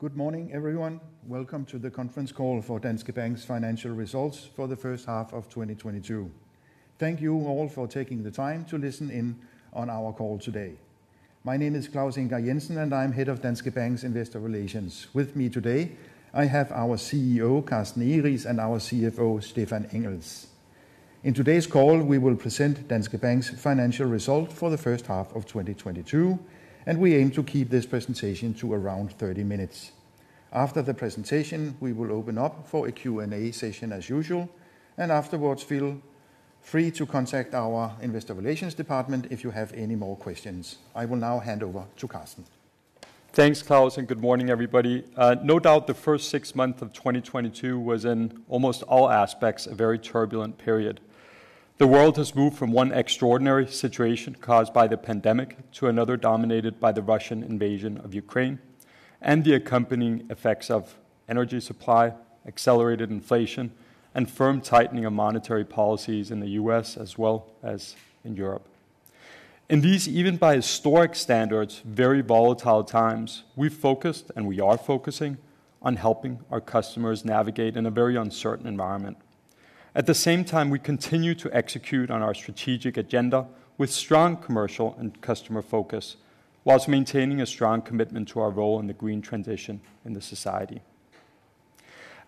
Good morning, everyone. Welcome to the conference call for Danske Bank's financial results for the H1 of 2022. Thank you all for taking the time to listen in on our call today. My name is Claus Ingar Jensen, and I'm Head of Danske Bank's Investor Relations. With me today, I have our CEO, Carsten Egeriis, and our CFO, Stephan Engels. In today's call, we will present Danske Bank's financial result for the H1 of 2022, and we aim to keep this presentation to around 30 minutes. After the presentation, we will open up for a Q&A session as usual, and afterwards, feel free to contact our Investor Relations department if you have any more questions. I will now hand over to Carsten. Thanks, Claus, and good morning, everybody. No doubt the first six months of 2022 was, in almost all aspects, a very turbulent period. The world has moved from one extraordinary situation caused by the pandemic to another dominated by the Russian invasion of Ukraine and the accompanying effects of energy supply, accelerated inflation, and firm tightening of monetary policies in the U.S. as well as in Europe. In these, even by historic standards, very volatile times, we focused, and we are focusing on helping our customers navigate in a very uncertain environment. At the same time, we continue to execute on our strategic agenda with strong commercial and customer focus while maintaining a strong commitment to our role in the green transition in the society.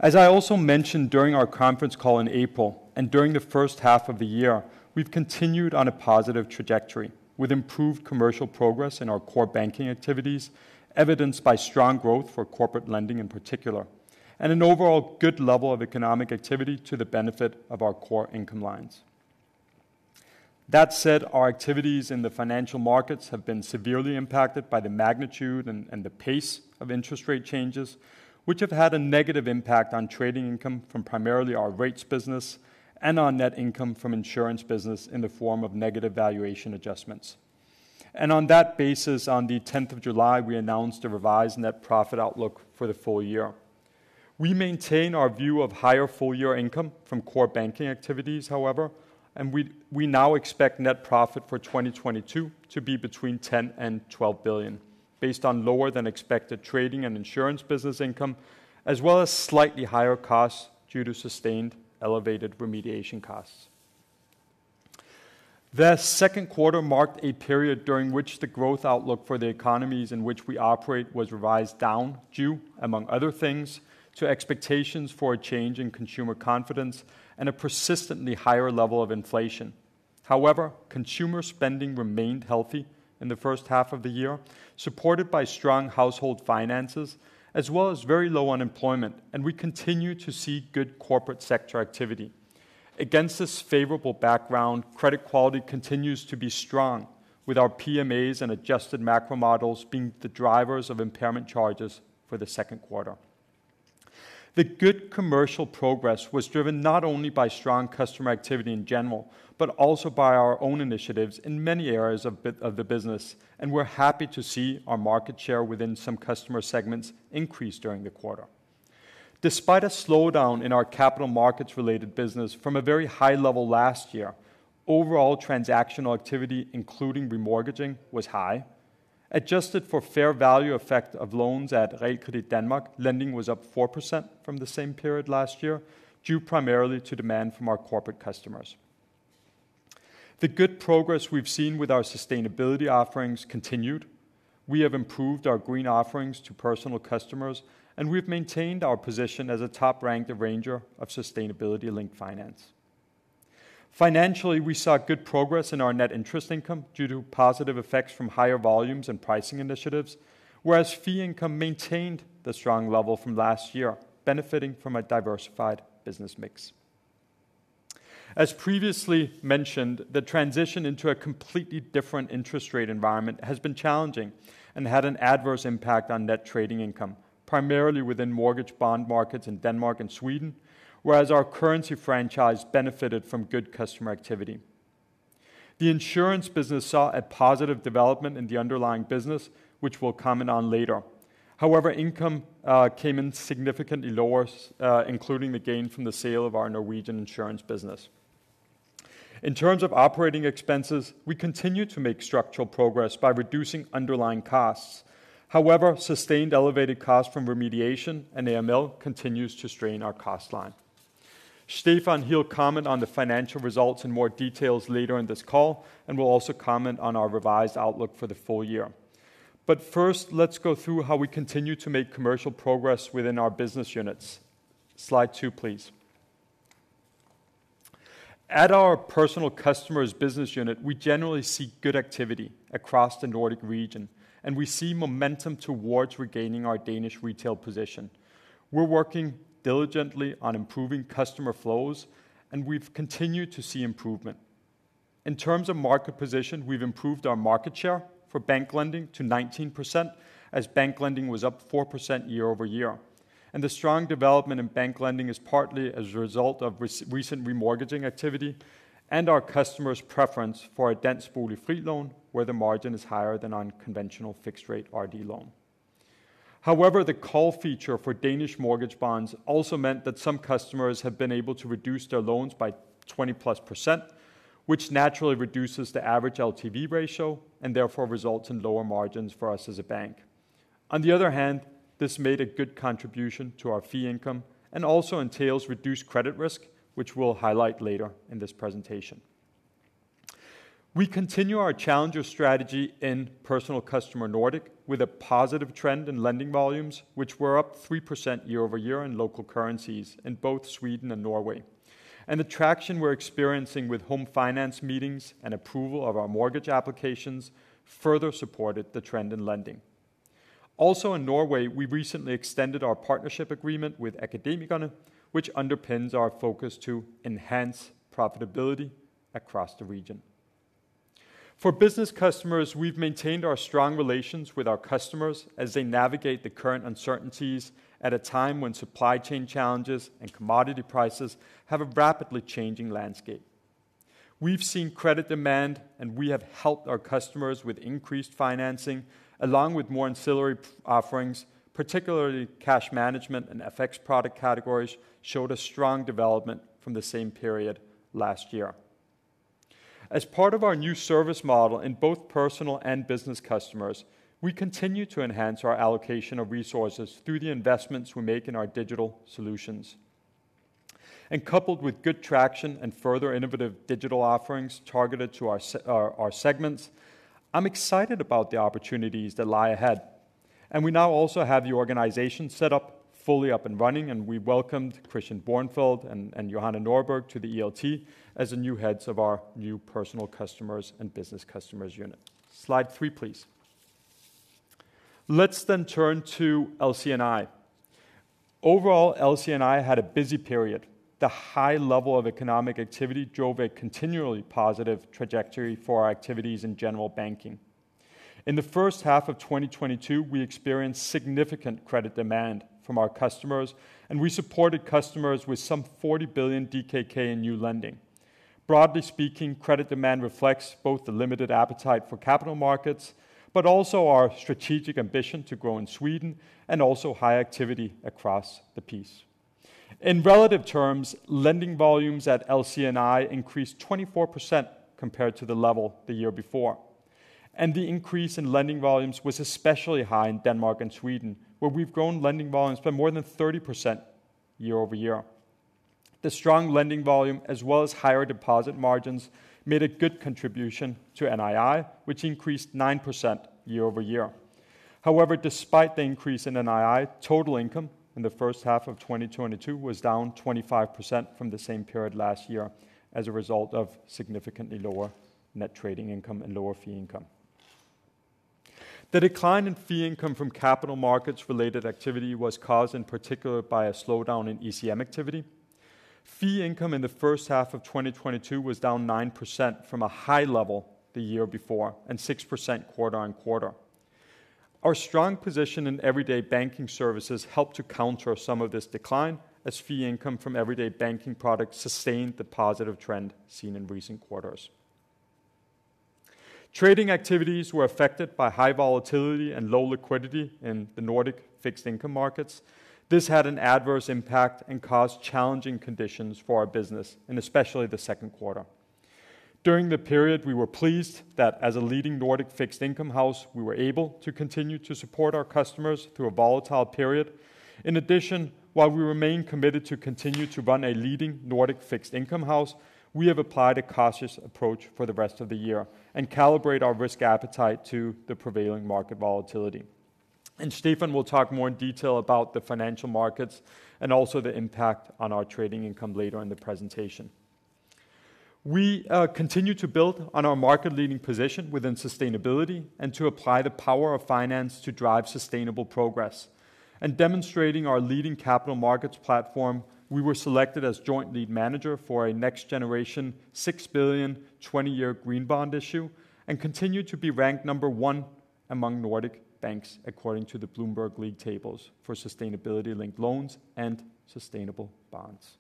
As I also mentioned during our conference call in April, and during the H1 of the year, we've continued on a positive trajectory with improved commercial progress in our core banking activities, evidenced by strong growth for corporate lending in particular, and an overall good level of economic activity to the benefit of our core income lines. That said, our activities in the financial markets have been severely impacted by the magnitude and the pace of interest rate changes, which have had a negative impact on trading income from primarily our rates business and on net income from insurance business in the form of negative valuation adjustments. On that basis, on the 10th of July, we announced a revised net profit outlook for the full year. We maintain our view of higher full-year income from core banking activities, however, and we now expect net profit for 2022 to be between 10 billion and 12 billion based on lower than expected trading and insurance business income, as well as slightly higher costs due to sustained elevated remediation costs. The Q2 marked a period during which the growth outlook for the economies in which we operate was revised down due, among other things, to expectations for a change in consumer confidence and a persistently higher level of inflation. However, consumer spending remained healthy in the H1 of the year, supported by strong household finances as well as very low unemployment, and we continue to see good corporate sector activity. Against this favorable background, credit quality continues to be strong with our PMAs and adjusted macro models being the drivers of impairment charges for the Q2. The good commercial progress was driven not only by strong customer activity in general, but also by our own initiatives in many areas of the business, and we're happy to see our market share within some customer segments increase during the quarter. Despite a slowdown in our capital markets-related business from a very high level last year, overall transactional activity, including remortgaging, was high. Adjusted for fair value effect of loans at Realkredit Danmark, lending was up 4% from the same period last year, due primarily to demand from our corporate customers. The good progress we've seen with our sustainability offerings continued. We have improved our green offerings to personal customers, and we've maintained our position as a top-ranked arranger of sustainability-linked finance. Financially, we saw good progress in our net interest income due to positive effects from higher volumes and pricing initiatives, whereas fee income maintained the strong level from last year, benefiting from a diversified business mix. As previously mentioned, the transition into a completely different interest rate environment has been challenging and had an adverse impact on net trading income, primarily within mortgage bond markets in Denmark and Sweden, whereas our currency franchise benefited from good customer activity. The insurance business saw a positive development in the underlying business, which we'll comment on later. However, income came in significantly lower, including the gain from the sale of our Norwegian insurance business. In terms of operating expenses, we continue to make structural progress by reducing underlying costs. However, sustained elevated costs from remediation and AML continues to strain our cost line. Stephan, he'll comment on the financial results in more details later in this call and will also comment on our revised outlook for the full year. First, let's go through how we continue to make commercial progress within our business units. Slide two, please. At our Personal Customers business unit, we generally see good activity across the Nordic region, and we see momentum towards regaining our Danish retail position. We're working diligently on improving customer flows, and we've continued to see improvement. In terms of market position, we've improved our market share for bank lending to 19% as bank lending was up 4% year-over-year. The strong development in bank lending is partly as a result of recent remortgaging activity and our customers' preference for a Danske BoligFrit loan, where the margin is higher than on conventional fixed-rate RD loan. However, the call feature for Danish mortgage bonds also meant that some customers have been able to reduce their loans by 20%+, which naturally reduces the average LTV ratio and therefore results in lower margins for us as a bank. On the other hand, this made a good contribution to our fee income and also entails reduced credit risk, which we'll highlight later in this presentation. We continue our challenger strategy in Personal Customer Nordic with a positive trend in lending volumes, which were up 3% year-over-year in local currencies in both Sweden and Norway. The traction we're experiencing with home finance meetings and approval of our mortgage applications further supported the trend in lending. Also in Norway, we recently extended our partnership agreement with Akademikerne, which underpins our focus to enhance profitability across the region. For business customers, we've maintained our strong relations with our customers as they navigate the current uncertainties at a time when supply chain challenges and commodity prices have a rapidly changing landscape. We've seen credit demand, and we have helped our customers with increased financing along with more ancillary offerings, particularly cash management and FX product categories, showed a strong development from the same period last year. As part of our new service model in both personal and business customers, we continue to enhance our allocation of resources through the investments we make in our digital solutions. Coupled with good traction and further innovative digital offerings targeted to our segments, I'm excited about the opportunities that lie ahead. We now also have the organization set up, fully up and running, and we welcomed Christian Bornfeld and Johanna Norberg to the ELT as the new heads of our new personal customers and business customers unit. Slide three, please. Let's then turn to LC&I. Overall, LC&I had a busy period. The high level of economic activity drove a continually positive trajectory for our activities in general banking. In the H1 of 2022, we experienced significant credit demand from our customers, and we supported customers with some 40 billion DKK in new lending. Broadly speaking, credit demand reflects both the limited appetite for capital markets but also our strategic ambition to grow in Sweden and also high activity across the piece. In relative terms, lending volumes at LC&I increased 24% compared to the level the year before. The increase in lending volumes was especially high in Denmark and Sweden, where we've grown lending volumes by more than 30% year-over-year. The strong lending volume, as well as higher deposit margins, made a good contribution to NII, which increased 9% year-over-year. However, despite the increase in NII, total income in the H1 of 2022 was down 25% from the same period last year as a result of significantly lower net trading income and lower fee income. The decline in fee income from capital markets related activity was caused in particular by a slowdown in ECM activity. Fee income in the H1 of 2022 was down 9% from a high level the year before and 6% quarter-on-quarter. Our strong position in everyday banking services helped to counter some of this decline as fee income from everyday banking products sustained the positive trend seen in recent quarters. Trading activities were affected by high volatility and low liquidity in the Nordic fixed income markets. This had an adverse impact and caused challenging conditions for our business, especially in the Q2. During the period, we were pleased that as a leading Nordic fixed income house, we were able to continue to support our customers through a volatile period. In addition, while we remain committed to continue to run a leading Nordic fixed income house, we have applied a cautious approach for the rest of the year and calibrate our risk appetite to the prevailing market volatility. Stephan will talk more in detail about the financial markets and also the impact on our trading income later in the presentation. We continue to build on our market leading position within sustainability and to apply the power of finance to drive sustainable progress. Demonstrating our leading capital markets platform, we were selected as joint lead manager for a next generation six billion 20-year green bond issue and continue to be ranked number one among Nordic banks according to the Bloomberg league tables for sustainability-linked loans and sustainable bonds.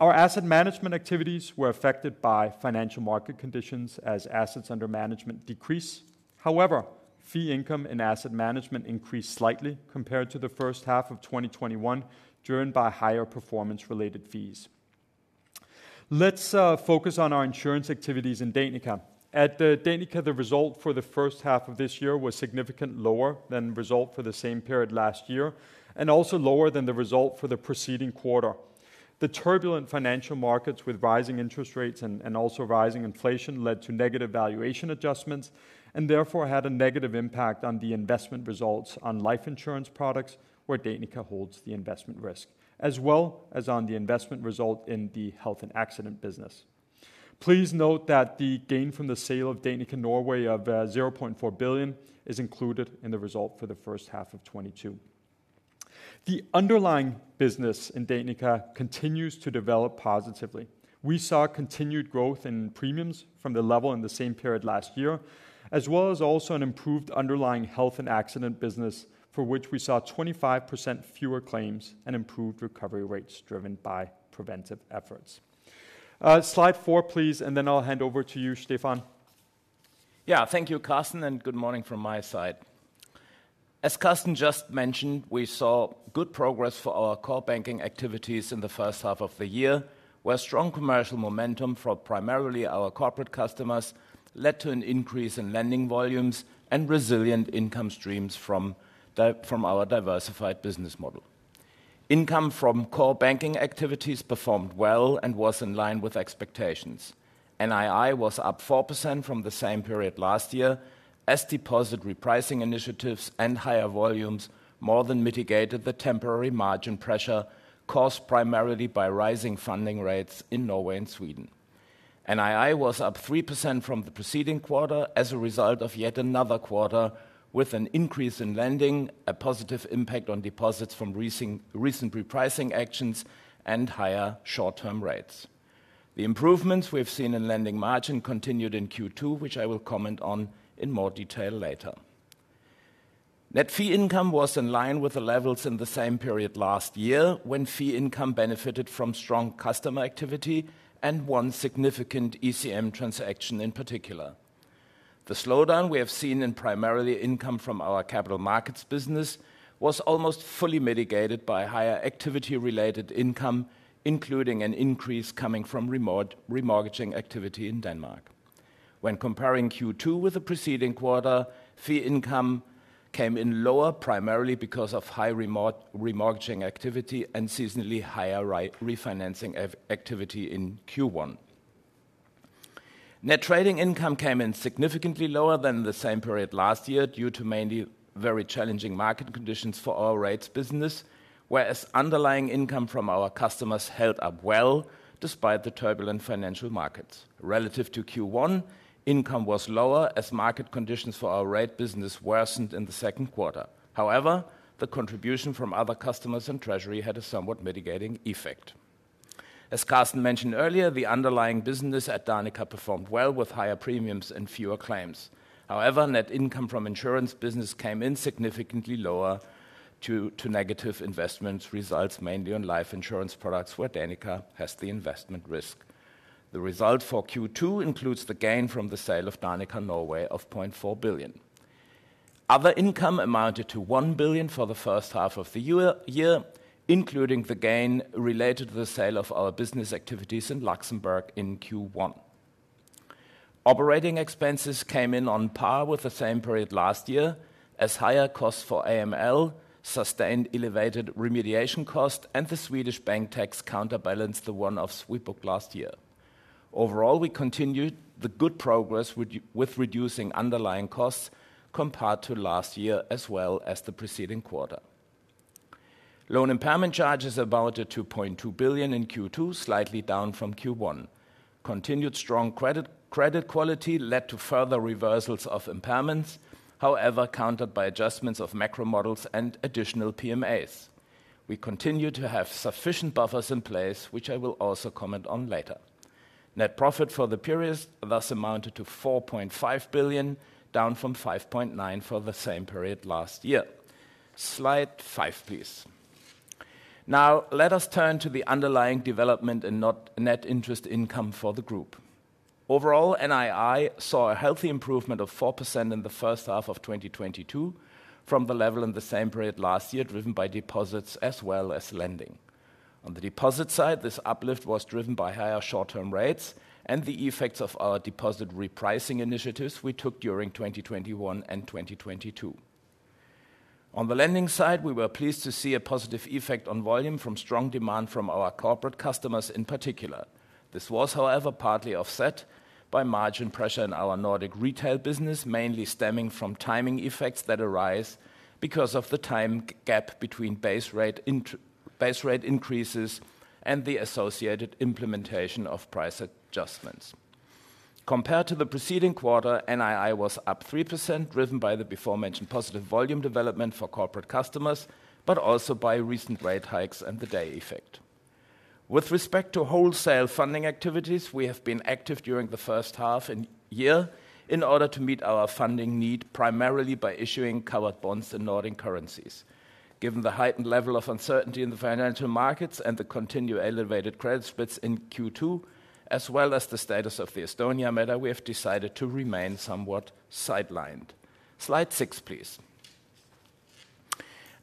Our asset management activities were affected by financial market conditions as assets under management decrease. However, fee income and asset management increased slightly compared to the H1 of 2021, driven by higher performance related fees. Let's focus on our insurance activities in Danica. At Danica, the result for the H1 of this year was significant lower than result for the same period last year, and also lower than the result for the preceding quarter. The turbulent financial markets with rising interest rates and also rising inflation led to negative valuation adjustments and therefore had a negative impact on the investment results on life insurance products where Danica holds the investment risk, as well as on the investment result in the health and accident business. Please note that the gain from the sale of Danica Pension Norway of 0.4 billion is included in the result for the H1 of 2022. The underlying business in Danica continues to develop positively. We saw continued growth in premiums from the level in the same period last year, as well as also an improved underlying health and accident business for which we saw 25% fewer claims and improved recovery rates driven by preventive efforts. Slide four, please, and then I'll hand over to you, Stephan. Yeah. Thank you, Carsten, and good morning from my side. As Carsten just mentioned, we saw good progress for our core banking activities in the H1 of the year, where strong commercial momentum for primarily our corporate customers led to an increase in lending volumes and resilient income streams from our diversified business model. Income from core banking activities performed well and was in line with expectations. NII was up 4% from the same period last year as deposit repricing initiatives and higher volumes more than mitigated the temporary margin pressure caused primarily by rising funding rates in Norway and Sweden. NII was up 3% from the preceding quarter as a result of yet another quarter with an increase in lending, a positive impact on deposits from recent repricing actions, and higher short-term rates. The improvements we have seen in lending margin continued in Q2, which I will comment on in more detail later. Net fee income was in line with the levels in the same period last year, when fee income benefited from strong customer activity and one significant ECM transaction in particular. The slowdown we have seen in primary income from our capital markets business was almost fully mitigated by higher activity-related income, including an increase coming from remortgaging activity in Denmark. When comparing Q2 with the preceding quarter, fee income came in lower, primarily because of high remortgaging activity and seasonally higher refinancing activity in Q1. Net trading income came in significantly lower than the same period last year due to mainly very challenging market conditions for our rates business, whereas underlying income from our customers held up well despite the turbulent financial markets. Relative to Q1, income was lower as market conditions for our rate business worsened in the Q2. However, the contribution from other customers and treasury had a somewhat mitigating effect. As Carsten mentioned earlier, the underlying business at Danica performed well with higher premiums and fewer claims. However, net income from insurance business came in significantly lower due to negative investment results mainly on life insurance products where Danica has the investment risk. The result for Q2 includes the gain from the sale of Danica Norway of 0.4 billion. Other income amounted to one billion for the H1 of the year, including the gain related to the sale of our business activities in Luxembourg in Q1. Operating expenses came in on par with the same period last year as higher costs for AML sustained elevated remediation cost and the Swedish bank tax counterbalanced the one-off sweep book last year. Overall, we continued the good progress with reducing underlying costs compared to last year as well as the preceding quarter. Loan impairment charges amounted to 2.2 billion in Q2, slightly down from Q1. Continued strong credit quality led to further reversals of impairments, however, countered by adjustments of macro models and additional PMAs. We continue to have sufficient buffers in place, which I will also comment on later. Net profit for the period thus amounted to 4.5 billion, down from 5.9 billion for the same period last year. Slide five, please. Now let us turn to the underlying development and now net interest income for the group. Overall, NII saw a healthy improvement of 4% in the H1 of 2022 from the level in the same period last year, driven by deposits as well as lending. On the deposit side, this uplift was driven by higher short-term rates and the effects of our deposit repricing initiatives we took during 2021 and 2022. On the lending side, we were pleased to see a positive effect on volume from strong demand from our corporate customers in particular. This was, however, partly offset by margin pressure in our Nordic retail business, mainly stemming from timing effects that arise because of the time gap between base rate increases and the associated implementation of price adjustments. Compared to the preceding quarter, NII was up 3%, driven by the aforementioned positive volume development for corporate customers, but also by recent rate hikes and the day effect. With respect to wholesale funding activities, we have been active during the H1 of the year in order to meet our funding need, primarily by issuing covered bonds in Nordic currencies. Given the heightened level of uncertainty in the financial markets and the continued elevated credit spreads in Q2, as well as the status of the Estonia matter, we have decided to remain somewhat sidelined. Slide six, please.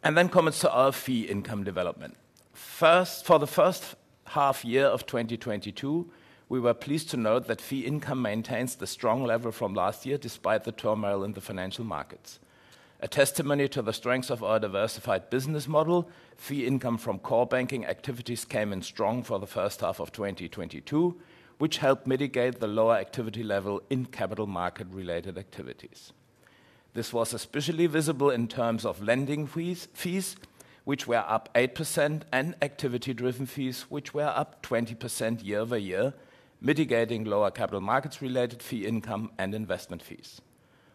Comments to our fee income development. For the H1 of the year 2022, we were pleased to note that fee income maintains the strong level from last year despite the turmoil in the financial markets. A testimony to the strength of our diversified business model, fee income from core banking activities came in strong for the H1 of 2022, which helped mitigate the lower activity level in capital market-related activities. This was especially visible in terms of lending fees which were up 8% and activity-driven fees which were up 20% year-over-year, mitigating lower capital markets related fee income and investment fees.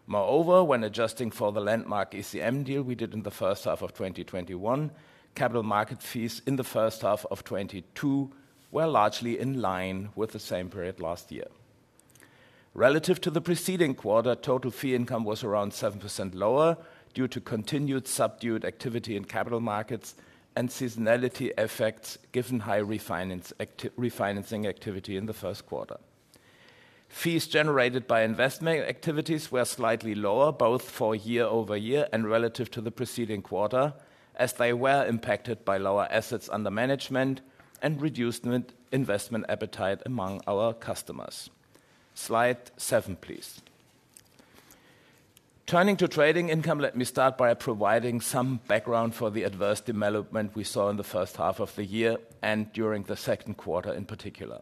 Moreover, when adjusting for the landmark ECM deal we did in the H1 of 2021, capital market fees in the H1 of 2022 were largely in line with the same period last year. Relative to the preceding quarter, total fee income was around 7% lower due to continued subdued activity in capital markets and seasonality effects given high refinancing activity in the Q1. Fees generated by investment activities were slightly lower, both year-over-year and relative to the preceding quarter, as they were impacted by lower assets under management and reduced investment appetite among our customers. Slide 7, please. Turning to trading income, let me start by providing some background for the adverse development we saw in the H1 of the year and during the Q2 in particular.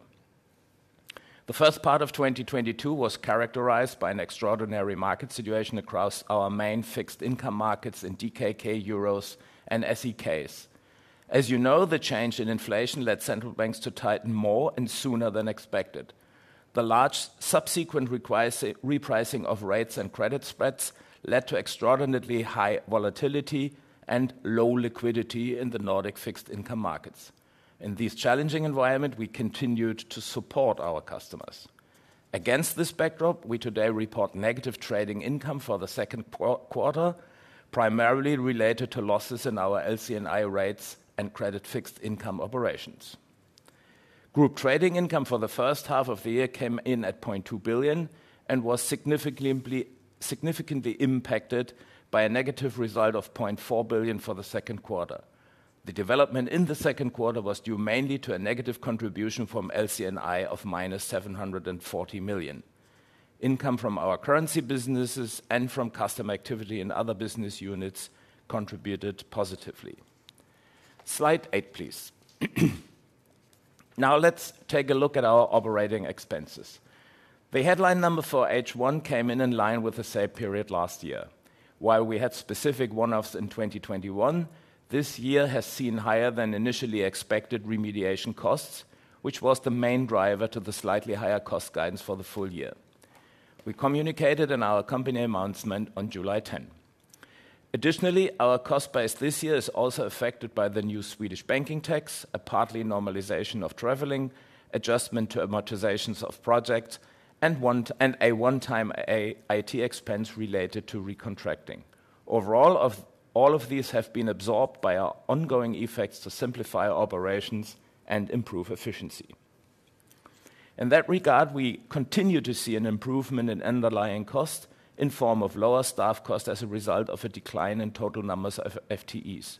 The first part of 2022 was characterized by an extraordinary market situation across our main fixed income markets in DKK, EUR, and SEK. As you know, the change in inflation led central banks to tighten more and sooner than expected. The large subsequent repricing of rates and credit spreads led to extraordinarily high volatility and low liquidity in the Nordic fixed income markets. In this challenging environment, we continued to support our customers. Against this backdrop, we today report negative trading income for the Q2, primarily related to losses in our LC&I rates and credit fixed income operations. Group trading income for the H1 of the year came in at 0.2 billion and was significantly impacted by a negative result of 0.4 billion for the Q2. The development in the Q2 was due mainly to a negative contribution from LC&I of -740 million. Income from our currency businesses and from customer activity in other business units contributed positively. Slide eight, please. Now let's take a look at our operating expenses. The headline number for H1 came in in line with the same period last year. While we had specific one-offs in 2021, this year has seen higher than initially expected remediation costs, which was the main driver to the slightly higher cost guidance for the full year. We communicated in our company announcement on July 10, 2022. Additionally, our cost base this year is also affected by the new Swedish banking tax, a partial normalization of traveling, adjustment to amortizations of projects, and a one-time IT expense related to recontracting. Overall, all of these have been absorbed by our ongoing efforts to simplify operations and improve efficiency. In that regard, we continue to see an improvement in underlying cost in the form of lower staff cost as a result of a decline in total numbers of FTEs.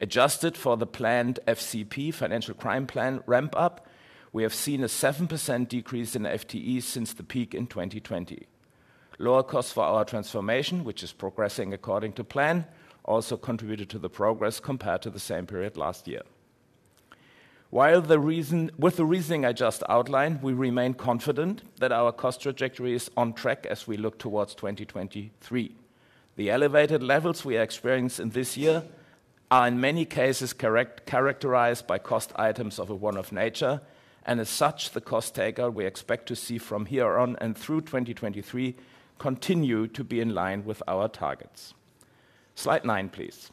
Adjusted for the planned FCP, financial crime plan ramp-up, we have seen a 7% decrease in FTEs since the peak in 2020. Lower costs for our transformation, which is progressing according to plan, also contributed to the progress compared to the same period last year. With the reasoning I just outlined, we remain confident that our cost trajectory is on track as we look towards 2023. The elevated levels we experience in this year are in many cases characterized by cost items of a one-off nature and as such, the cost take out we expect to see from here on and through 2023 continue to be in line with our targets. Slide nine, please.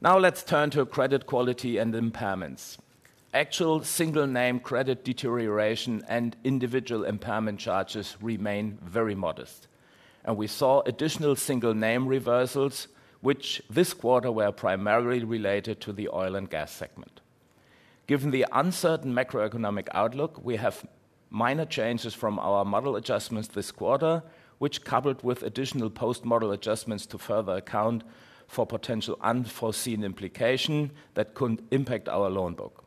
Now let's turn to credit quality and impairments. Actual single name credit deterioration and individual impairment charges remain very modest, and we saw additional single name reversals which this quarter were primarily related to the oil and gas segment. Given the uncertain macroeconomic outlook, we have minor changes from our model adjustments this quarter, which coupled with additional post-model adjustments to further account for potential unforeseen implication that could impact our loan book.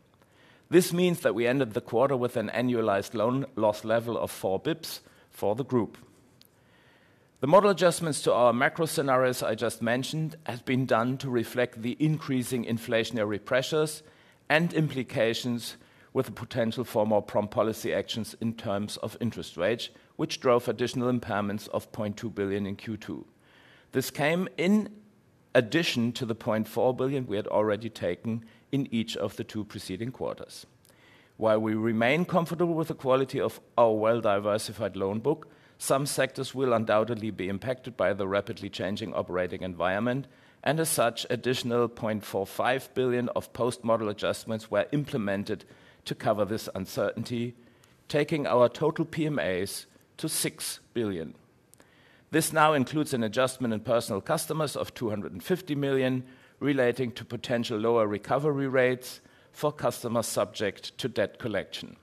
This means that we ended the quarter with an annualized loan loss level of four basis points for the group. The model adjustments to our macro scenarios I just mentioned have been done to reflect the increasing inflationary pressures and implications with the potential for more prompt policy actions in terms of interest rates, which drove additional impairments of 0.2 billion in Q2. This came in addition to the 0.4 billion we had already taken in each of the two preceding quarters. While we remain comfortable with the quality of our well-diversified loan book, some sectors will undoubtedly be impacted by the rapidly changing operating environment and as such, additional 0.45 billion of post-model adjustments were implemented to cover this uncertainty, taking our total PMAs to six billion. This now includes an adjustment in personal customers of 250 million relating to potential lower recovery rates for customers subject to debt collection.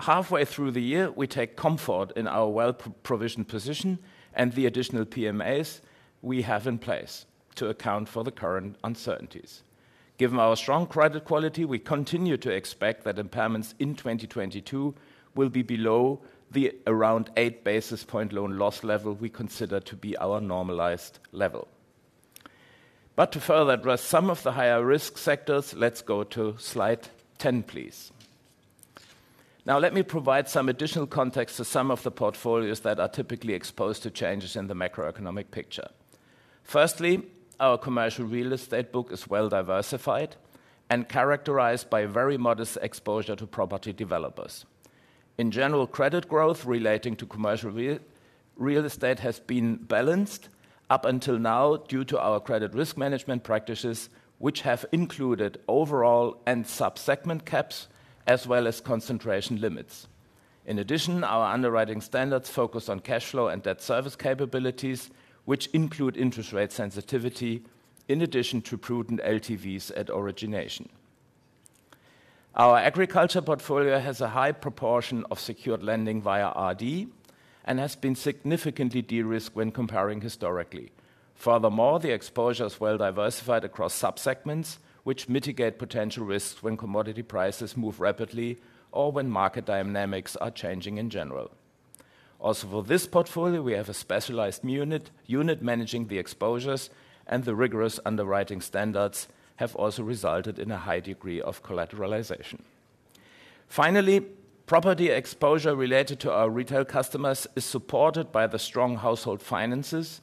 Halfway through the year, we take comfort in our well-provisioned position and the additional PMAs we have in place to account for the current uncertainties. Given our strong credit quality, we continue to expect that impairments in 2022 will be below the around eight basis point loan loss level we consider to be our normalized level. To further address some of the higher risk sectors, let's go to slide 10, please. Now let me provide some additional context to some of the portfolios that are typically exposed to changes in the macroeconomic picture. Firstly, our commercial real estate book is well-diversified and characterized by very modest exposure to property developers. In general, credit growth relating to commercial real estate has been balanced up until now due to our credit risk management practices, which have included overall and sub-segment caps as well as concentration limits. In addition, our underwriting standards focus on cash flow and debt service capabilities, which include interest rate sensitivity in addition to prudent LTVs at origination. Our agriculture portfolio has a high proportion of secured lending via RD and has been significantly de-risked when comparing historically. Furthermore, the exposure is well diversified across sub-segments which mitigate potential risks when commodity prices move rapidly or when market dynamics are changing in general. Also for this portfolio, we have a specialized unit managing the exposures and the rigorous underwriting standards have also resulted in a high degree of collateralization. Finally, property exposure related to our retail customers is supported by the strong household finances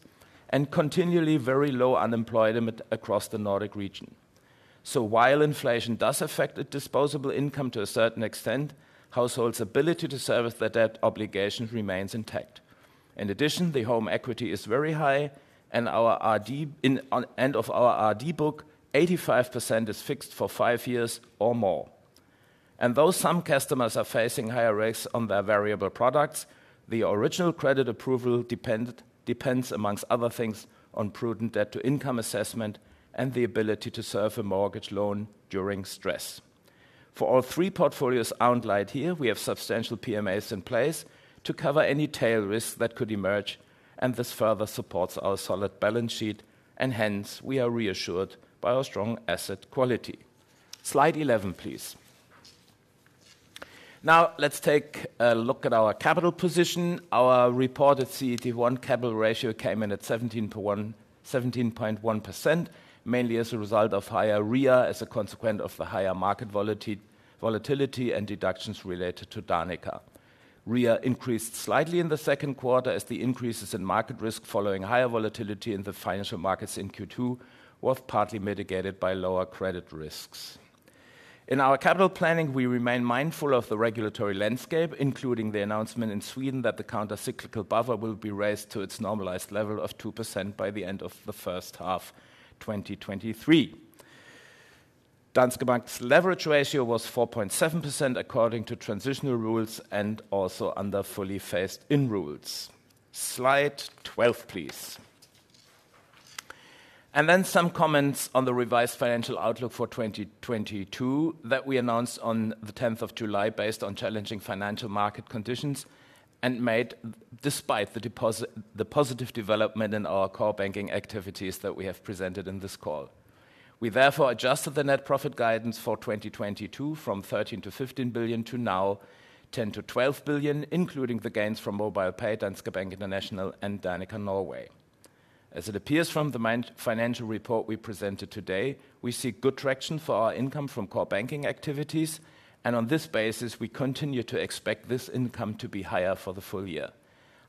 and continually very low unemployment across the Nordic region. While inflation does affect the disposable income to a certain extent, households' ability to service their debt obligations remains intact. In addition, the home equity is very high and our RD book, 85% is fixed for five years or more. Though some customers are facing higher rates on their variable products, the original credit approval depends among other things on prudent debt to income assessment and the ability to serve a mortgage loan during stress. For all three portfolios outlined here, we have substantial PMAs in place to cover any tail risks that could emerge, and this further supports our solid balance sheet, and hence we are reassured by our strong asset quality. Slide 11, please. Now let's take a look at our capital position. Our reported CET1 capital ratio came in at 17.1%, mainly as a result of higher RWA as a consequence of the higher market volatility and deductions related to Danica. RIA increased slightly in the Q2 as the increases in market risk following higher volatility in the financial markets in Q2 was partly mitigated by lower credit risks. In our capital planning, we remain mindful of the regulatory landscape, including the announcement in Sweden that the countercyclical buffer will be raised to its normalized level of 2% by the end of the H1 2023. Danske Bank's leverage ratio was 4.7% according to transitional rules and also under fully phased-in rules. Slide 12, please. Some comments on the revised financial outlook for 2022 that we announced on the 10th of July based on challenging financial market conditions and made despite the positive development in our core banking activities that we have presented in this call. We therefore adjusted the net profit guidance for 2022 from 13 billion-15 billion to now 10 billion-12 billion, including the gains from MobilePay, Danske Bank International, and Danica Pension Norway. As it appears from the main financial report we presented today, we see good traction for our income from core banking activities, and on this basis, we continue to expect this income to be higher for the full year.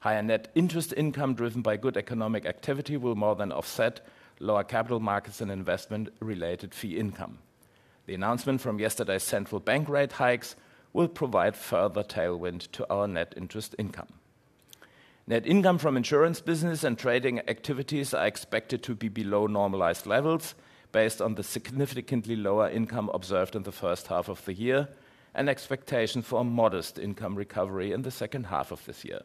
Higher net interest income driven by good economic activity will more than offset lower capital markets and investment related fee income. The announcement from yesterday's central bank rate hikes will provide further tailwind to our net interest income. Net income from insurance business and trading activities are expected to be below normalized levels based on the significantly lower income observed in the H1 of the year and expectation for a modest income recovery in the H2 of this year.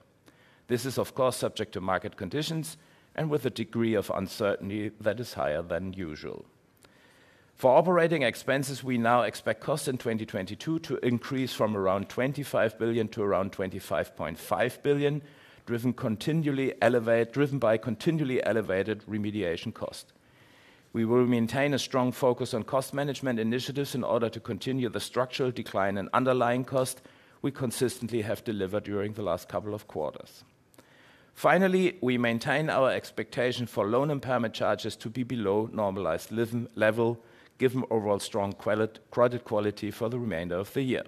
This is of course subject to market conditions and with a degree of uncertainty that is higher than usual. For operating expenses, we now expect costs in 2022 to increase from around 25 billion to around 25.5 billion, driven by continually elevated remediation cost. We will maintain a strong focus on cost management initiatives in order to continue the structural decline in underlying cost we consistently have delivered during the last couple of quarters. Finally, we maintain our expectation for loan impairment charges to be below normalized level, given overall strong credit quality for the remainder of the year.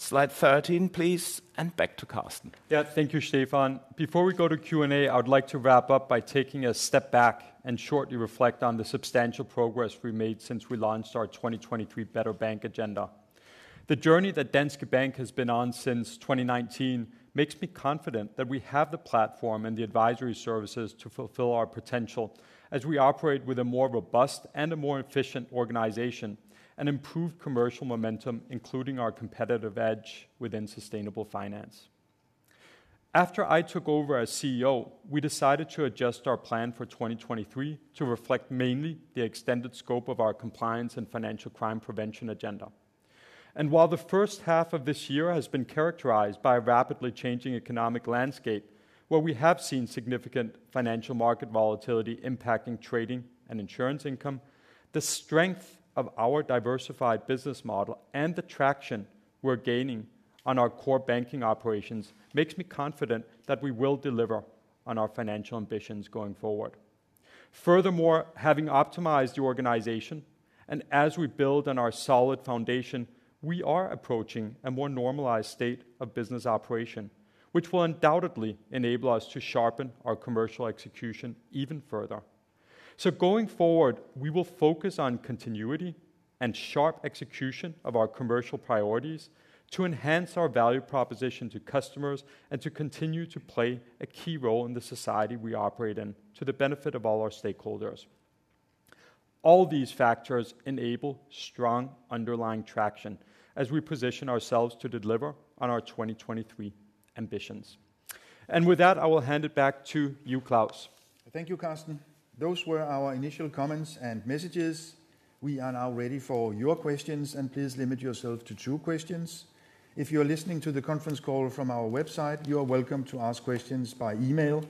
Slide 13, please, and back to Carsten. Thank you, Stephan. Before we go to Q&A, I would like to wrap up by taking a step back and shortly reflect on the substantial progress we've made since we launched our 2023 Better Bank agenda. The journey that Danske Bank has been on since 2019 makes me confident that we have the platform and the advisory services to fulfill our potential as we operate with a more robust and a more efficient organization and improved commercial momentum, including our competitive edge within sustainable finance. After I took over as CEO, we decided to adjust our plan for 2023 to reflect mainly the extended scope of our compliance and financial crime prevention agenda. While the H1 of this year has been characterized by a rapidly changing economic landscape, where we have seen significant financial market volatility impacting trading and insurance income, the strength of our diversified business model and the traction we're gaining on our core banking operations makes me confident that we will deliver on our financial ambitions going forward. Furthermore, having optimized the organization and as we build on our solid foundation, we are approaching a more normalized state of business operation, which will undoubtedly enable us to sharpen our commercial execution even further. Going forward, we will focus on continuity and sharp execution of our commercial priorities to enhance our value proposition to customers and to continue to play a key role in the society we operate in to the benefit of all our stakeholders. All these factors enable strong underlying traction as we position ourselves to deliver on our 2023 ambitions. With that, I will hand it back to you, Claus. Thank you, Carsten. Those were our initial comments and messages. We are now ready for your questions, and please limit yourself to two questions. If you are listening to the conference call from our website, you are welcome to ask questions by email.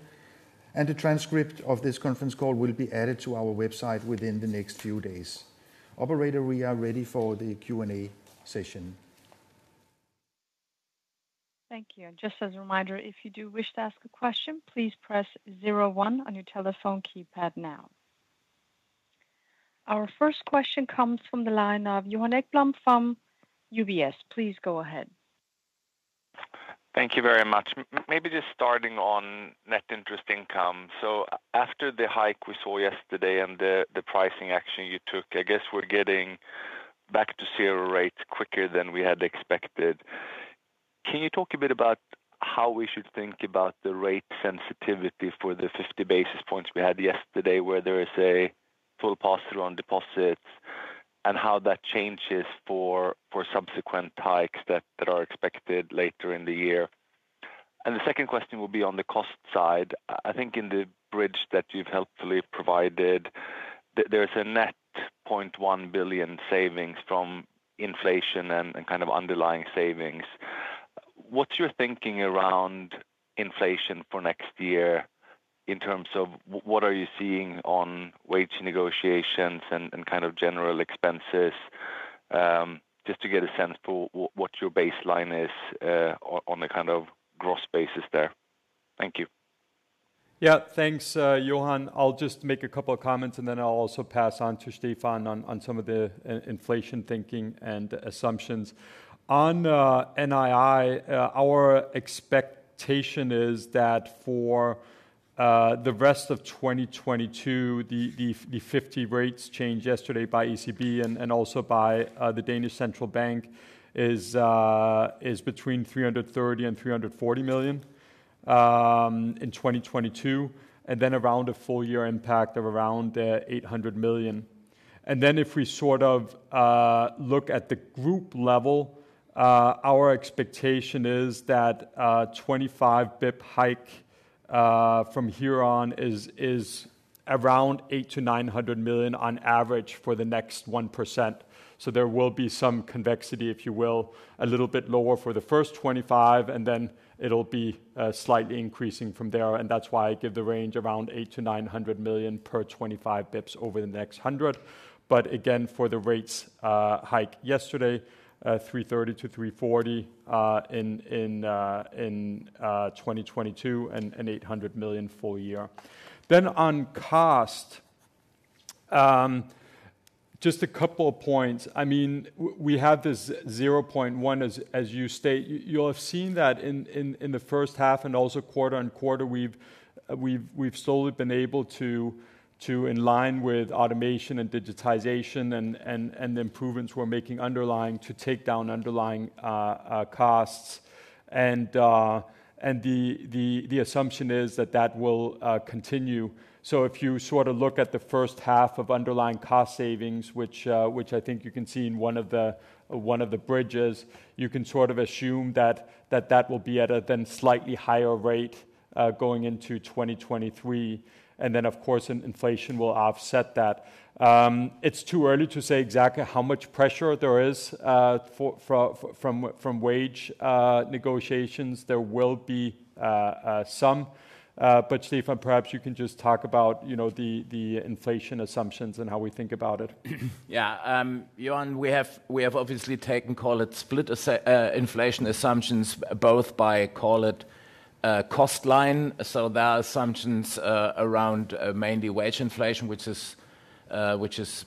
A transcript of this conference call will be added to our website within the next few days. Operator, we are ready for the Q&A session. Thank you. Just as a reminder, if you do wish to ask a question, please press zero one on your telephone keypad now. Our first question comes from the line of Johan Ekblom from UBS. Please go ahead. Thank you very much. Maybe just starting on net interest income. After the hike we saw yesterday and the pricing action you took, I guess we're getting back to zero rates quicker than we had expected. Can you talk a bit about how we should think about the rate sensitivity for the 50 basis points we had yesterday, where there is a full pass-through on deposits, and how that changes for subsequent hikes that are expected later in the year? The second question will be on the cost side. I think in the bridge that you've helpfully provided, there's a net 0.1 billion savings from inflation and kind of underlying savings. What's your thinking around inflation for next year in terms of what are you seeing on wage negotiations and kind of general expenses, just to get a sense for what your baseline is, on the kind of gross basis there? Thank you. Yeah. Thanks, Johan. I'll just make a couple of comments, and then I'll also pass on to Stephan on some of the inflation thinking and assumptions. On NII, our expectation is that for the rest of 2022, the 50 bps rate change yesterday by ECB and also by the Danish Central Bank is between 330-340 million in 2022, and then around a full-year impact of around 800 million. If we look at the group level, our expectation is that a 25 BP hike from here on is around 800-900 million on average for the next 1%. There will be some convexity, if you will, a little bit lower for the first 25, and then it'll be slightly increasing from there, and that's why I give the range around 800-900 million per 25 BPs over the next 100. Again, for the rates hike yesterday, 3.30-3.40 in 2022, and 800 million full year. On cost, just a couple of points. I mean, we have this 0.1% as you state. You'll have seen that in the H1 and also quarter-on-quarter, we've slowly been able to, in line with automation and digitization and improvements we're making underlying to take down underlying costs. The assumption is that that will continue. If you sort of look at the H1 of underlying cost savings, which I think you can see in one of the bridges, you can sort of assume that that will be at a then slightly higher rate going into 2023, and then of course inflation will offset that. It's too early to say exactly how much pressure there is from wage negotiations. There will be some. Stephan, perhaps you can just talk about, you know, the inflation assumptions and how we think about it. Yeah. Johan, we have obviously taken, call it, split inflation assumptions both by, call it, cost line. There are assumptions around mainly wage inflation, which is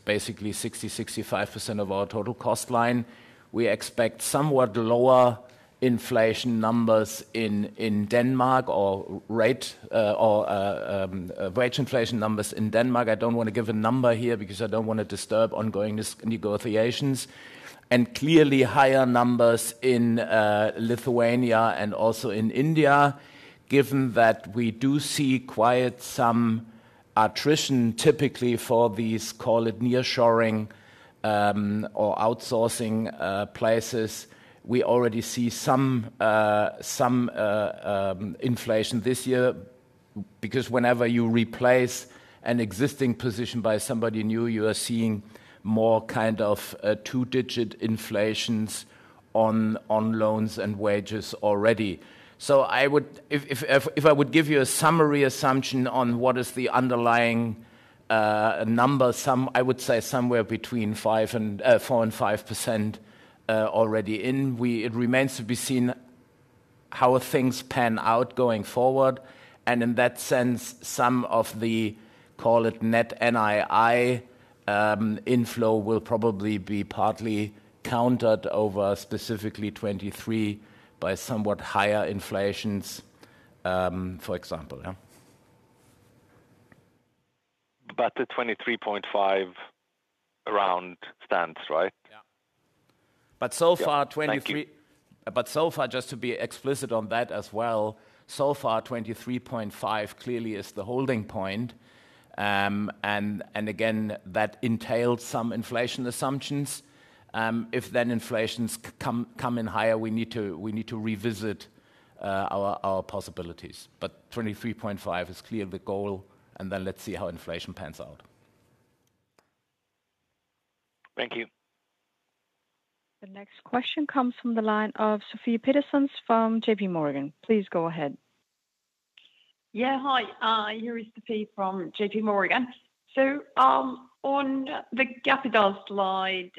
basically 65% of our total cost line. We expect somewhat lower wage inflation numbers in Denmark. I don't wanna give a number here because I don't wanna disturb ongoing negotiations. Clearly higher numbers in Lithuania and also in India, given that we do see quite some attrition typically for these, call it, nearshoring or outsourcing places. We already see some inflation this year, because whenever you replace an existing position by somebody new, you are seeing more kind of two-digit inflations on loans and wages already. If I would give you a summary assumption on what is the underlying number, I would say somewhere between 4% and 5% already in. It remains to be seen how things pan out going forward. In that sense, some of the, call it, net NII inflow will probably be partly countered over specifically 2023 by somewhat higher inflation, for example. The 23.5 billion stands, right? Yeah. So far 23. Yeah. Thank you. So far, just to be explicit on that as well, so far 23.5 clearly is the holding point. Again, that entails some inflation assumptions. If inflation comes in higher, we need to revisit our possibilities. But 23.5 is clearly the goal, and then let's see how inflation pans out. Thank you. The next question comes from the line of Sofie Peterzéns from JPMorgan. Please go ahead. Hi, here is Sofie Peterzéns from JPMorgan. On the capital slide,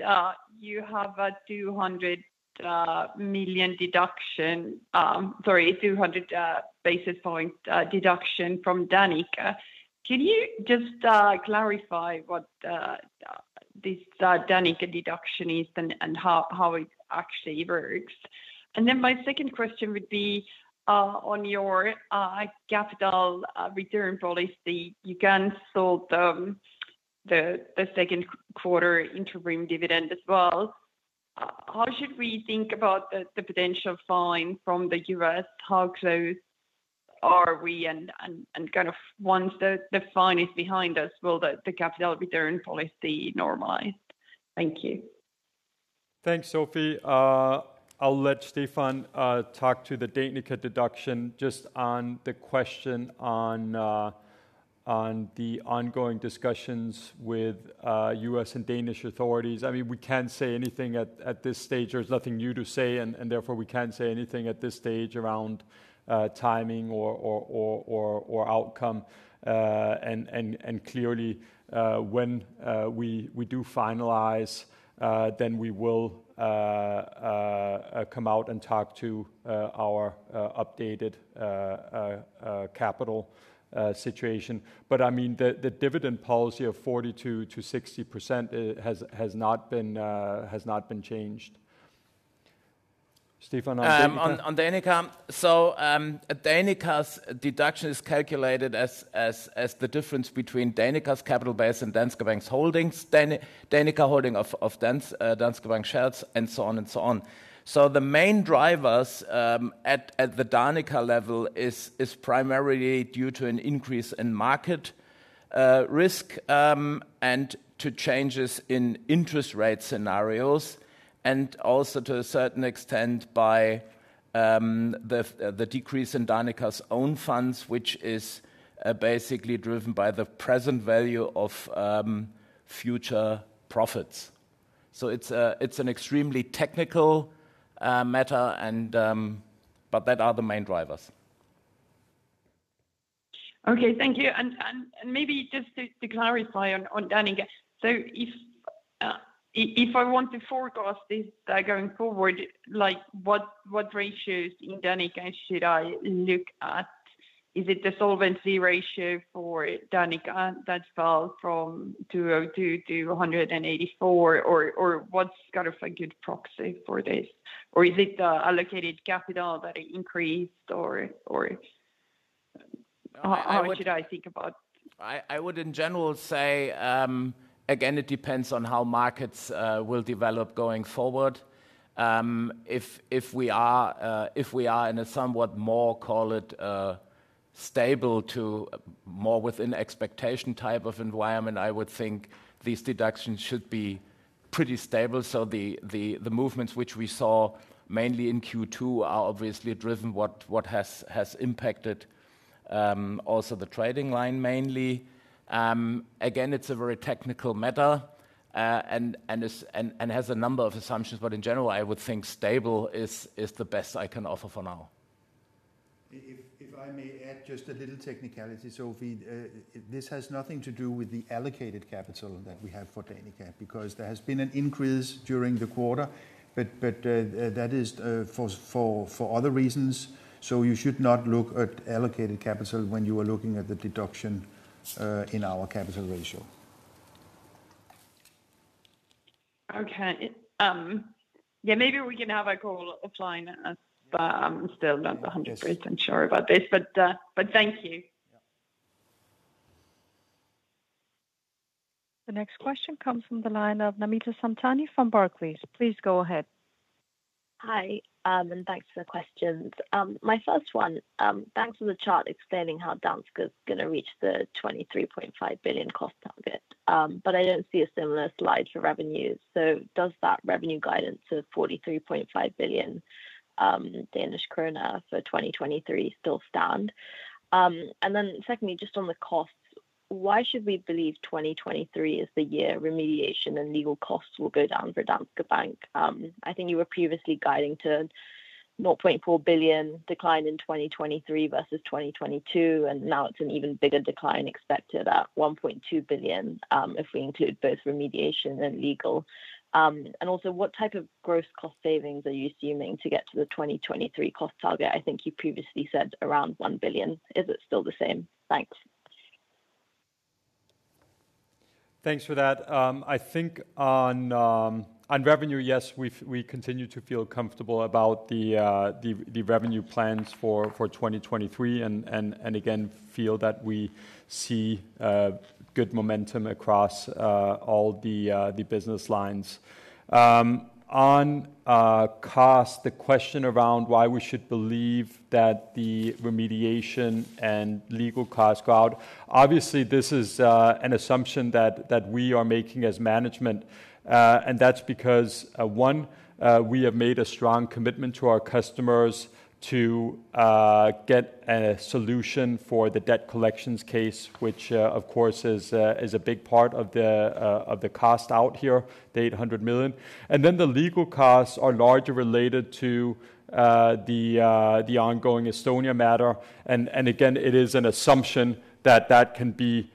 you have a 200 million deduction. Sorry, 200 basis point deduction from Danica. Can you just clarify what this Danica deduction is and how it actually works? Then my second question would be on your capital return policy. You canceled the Q2 interim dividend as well. How should we think about the potential fine from the U.S.? How close are we and kind of once the fine is behind us, will the capital return policy normalize? Thank you. Thanks, Sofie. I'll let Stephan talk to the Danica deduction. Just on the question on the ongoing discussions with U.S. and Danish authorities. I mean, we can't say anything at this stage. There's nothing new to say, and therefore we can't say anything at this stage around timing or outcome. And clearly, when we do finalize, then we will come out and talk to our updated capital situation. But I mean the dividend policy of 42%-60% has not been changed Stephan on Dan. On Danica. Danica's deduction is calculated as the difference between Danica's capital base and Danske Bank's holdings. Danica holding of Danske Bank shares and so on. The main drivers at the Danica level is primarily due to an increase in market risk and to changes in interest rate scenarios, and also to a certain extent by the decrease in Danica's own funds, which is basically driven by the present value of future profits. It's an extremely technical matter and that are the main drivers. Okay. Thank you. Maybe just to clarify on Danica. If I want to forecast this going forward, like what ratios in Danica should I look at? Is it the solvency ratio for Danica that fell from 202 to 184? What's kind of a good proxy for this? Is it the allocated capital that increased or how should I think about? I would in general say, again, it depends on how markets will develop going forward. If we are in a somewhat more, call it, stable to more within expectation type of environment, I would think these deductions should be pretty stable. The movements which we saw mainly in Q2 are obviously driven by what has impacted also the trading line mainly. Again, it's a very technical matter, and has a number of assumptions, but in general, I would think stable is the best I can offer for now. If I may add just a little technicality, Sofie. This has nothing to do with the allocated capital that we have for Danica, because there has been an increase during the quarter, but that is for other reasons. You should not look at allocated capital when you are looking at the deduction in our capital ratio. Okay. Yeah, maybe we can have a call offline but I'm still not 100% sure about this. Thank you. The next question comes from the line of Namita Samtani from Barclays. Please go ahead. Hi, thanks for the questions. My first one, thanks for the chart explaining how Danske is gonna reach the 23.5 billion cost target. But I don't see a similar slide for revenues. Does that revenue guidance of 43.5 billion Danish krone for 2023 still stand? Secondly, just on the costs, why should we believe 2023 is the year remediation and legal costs will go down for Danske Bank? I think you were previously guiding to 0.4 billion decline in 2023 versus 2022, and now it's an even bigger decline expected at 1.2 billion, if we include both remediation and legal. Also what type of gross cost savings are you assuming to get to the 2023 cost target? I think you previously said around 1 billion. Is it still the same? Thanks. Thanks for that. I think on revenue, yes, we continue to feel comfortable about the revenue plans for 2023, and again, feel that we see good momentum across all the business lines. On cost, the question around why we should believe that the remediation and legal costs go out. Obviously, this is an assumption that we are making as management. That's because we have made a strong commitment to our customers to get a solution for the debt collections case, which, of course, is a big part of the cost out here, 800 million. The legal costs are largely related to the ongoing Estonia matter. Again, it is an assumption that can be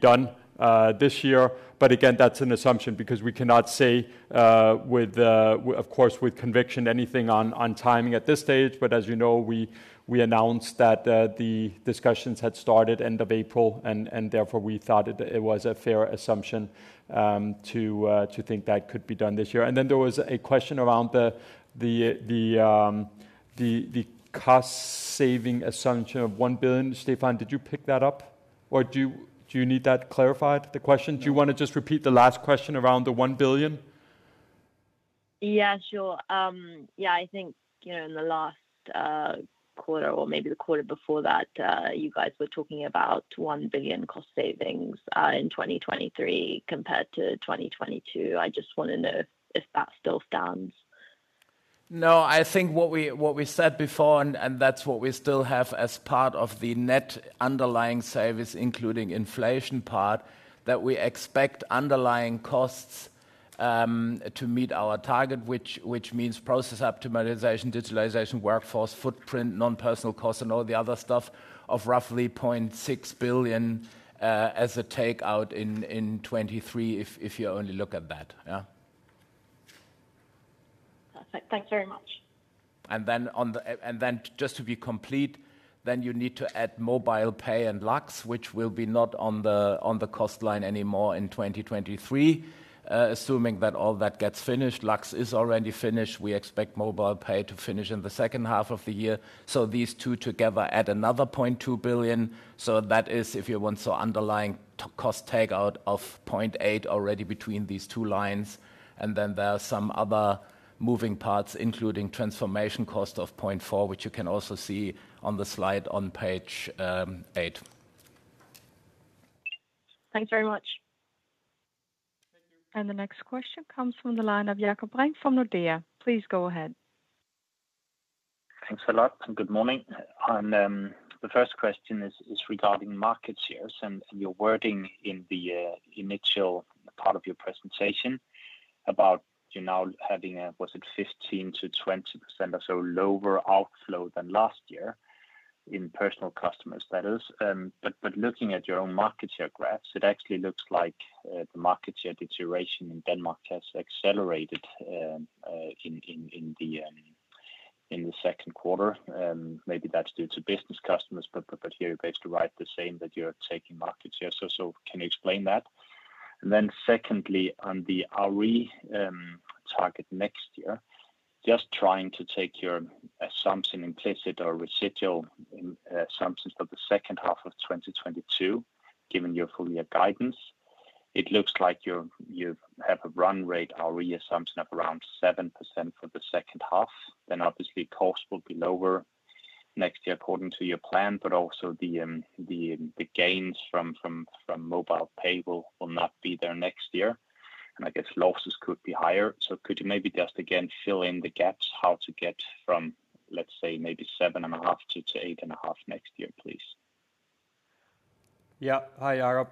done this year. Again, that's an assumption because we cannot say, of course, with conviction anything on timing at this stage. As you know, we announced that the discussions had started end of April, and therefore we thought it was a fair assumption to think that could be done this year. Then there was a question around the cost-saving assumption of one billion. Stephan, did you pick that up? Or do you need that clarified, the question? Do you wanna just repeat the last question around the one billion? Yeah, sure. Yeah, I think, you know, in the last quarter or maybe the quarter before that, you guys were talking about one billion cost savings in 2023 compared to 2022. I just wanna know if that still stands. No, I think what we said before, and that's what we still have as part of the net underlying savings, including inflation part, that we expect underlying costs to meet our target, which means process optimization, digitalization, workforce, footprint, non-personal costs, and all the other stuff of roughly 0.6 billion as a takeout in 2023, if you only look at that. Yeah. Perfect. Thanks very much. Just to be complete, you need to add MobilePay and Lux, which will not be on the cost line anymore in 2023, assuming that all that gets finished. Lux is already finished. We expect MobilePay to finish in the H2 of the year. These two together add another 0.2 billion. That is if you want so underlying cost takeout of 0.8 billion already between these two lines. There are some other moving parts, including transformation cost of 0.4 billion, which you can also see on the slide on page eight. Thanks very much. The next question comes from the line of Jakob Brink from Nordea. Please go ahead. Thanks a lot, and good morning. The first question is regarding market shares and your wording in the initial part of your presentation about you now having 15%-20% or so lower outflow than last year in personal customers. Looking at your own market share graphs, it actually looks like the market share deterioration in Denmark has accelerated in the Q2. Maybe that's due to business customers, but here you guys derive the same that you're taking market share. Can you explain that? Secondly, on the ROE target next year, just trying to take your assumption implicit or residual in assumptions for the H2 of 2022, given your full year guidance. It looks like you have a run rate ROE assumption of around 7% for the H2, then obviously cost will be lower next year according to your plan. Also the gains from MobilePay will not be there next year, and I guess losses could be higher. Could you maybe just again fill in the gaps how to get from, let's say, maybe 7.5 to 8.5 next year, please? Yeah. Hi, Jakob.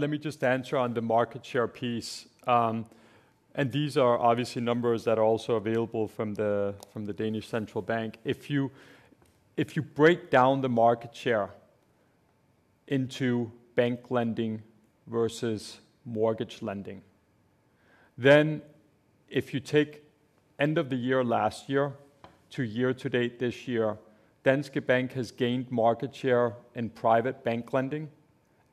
Let me just answer on the market share piece. These are obviously numbers that are also available from the Danish Central Bank. If you break down the market share into bank lending versus mortgage lending, then if you take end of the year last year to year to date this year, Danske Bank has gained market share in private bank lending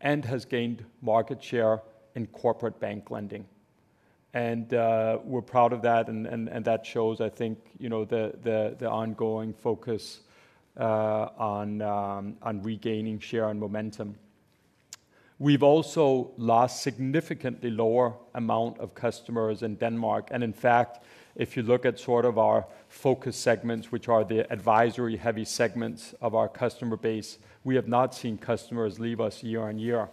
and has gained market share in corporate bank lending. We're proud of that, and that shows, I think, you know, the ongoing focus on regaining share and momentum. We've also lost significantly lower amount of customers in Denmark. In fact, if you look at sort of our focus segments, which are the advisory heavy segments of our customer base, we have not seen customers leave us year-over-year,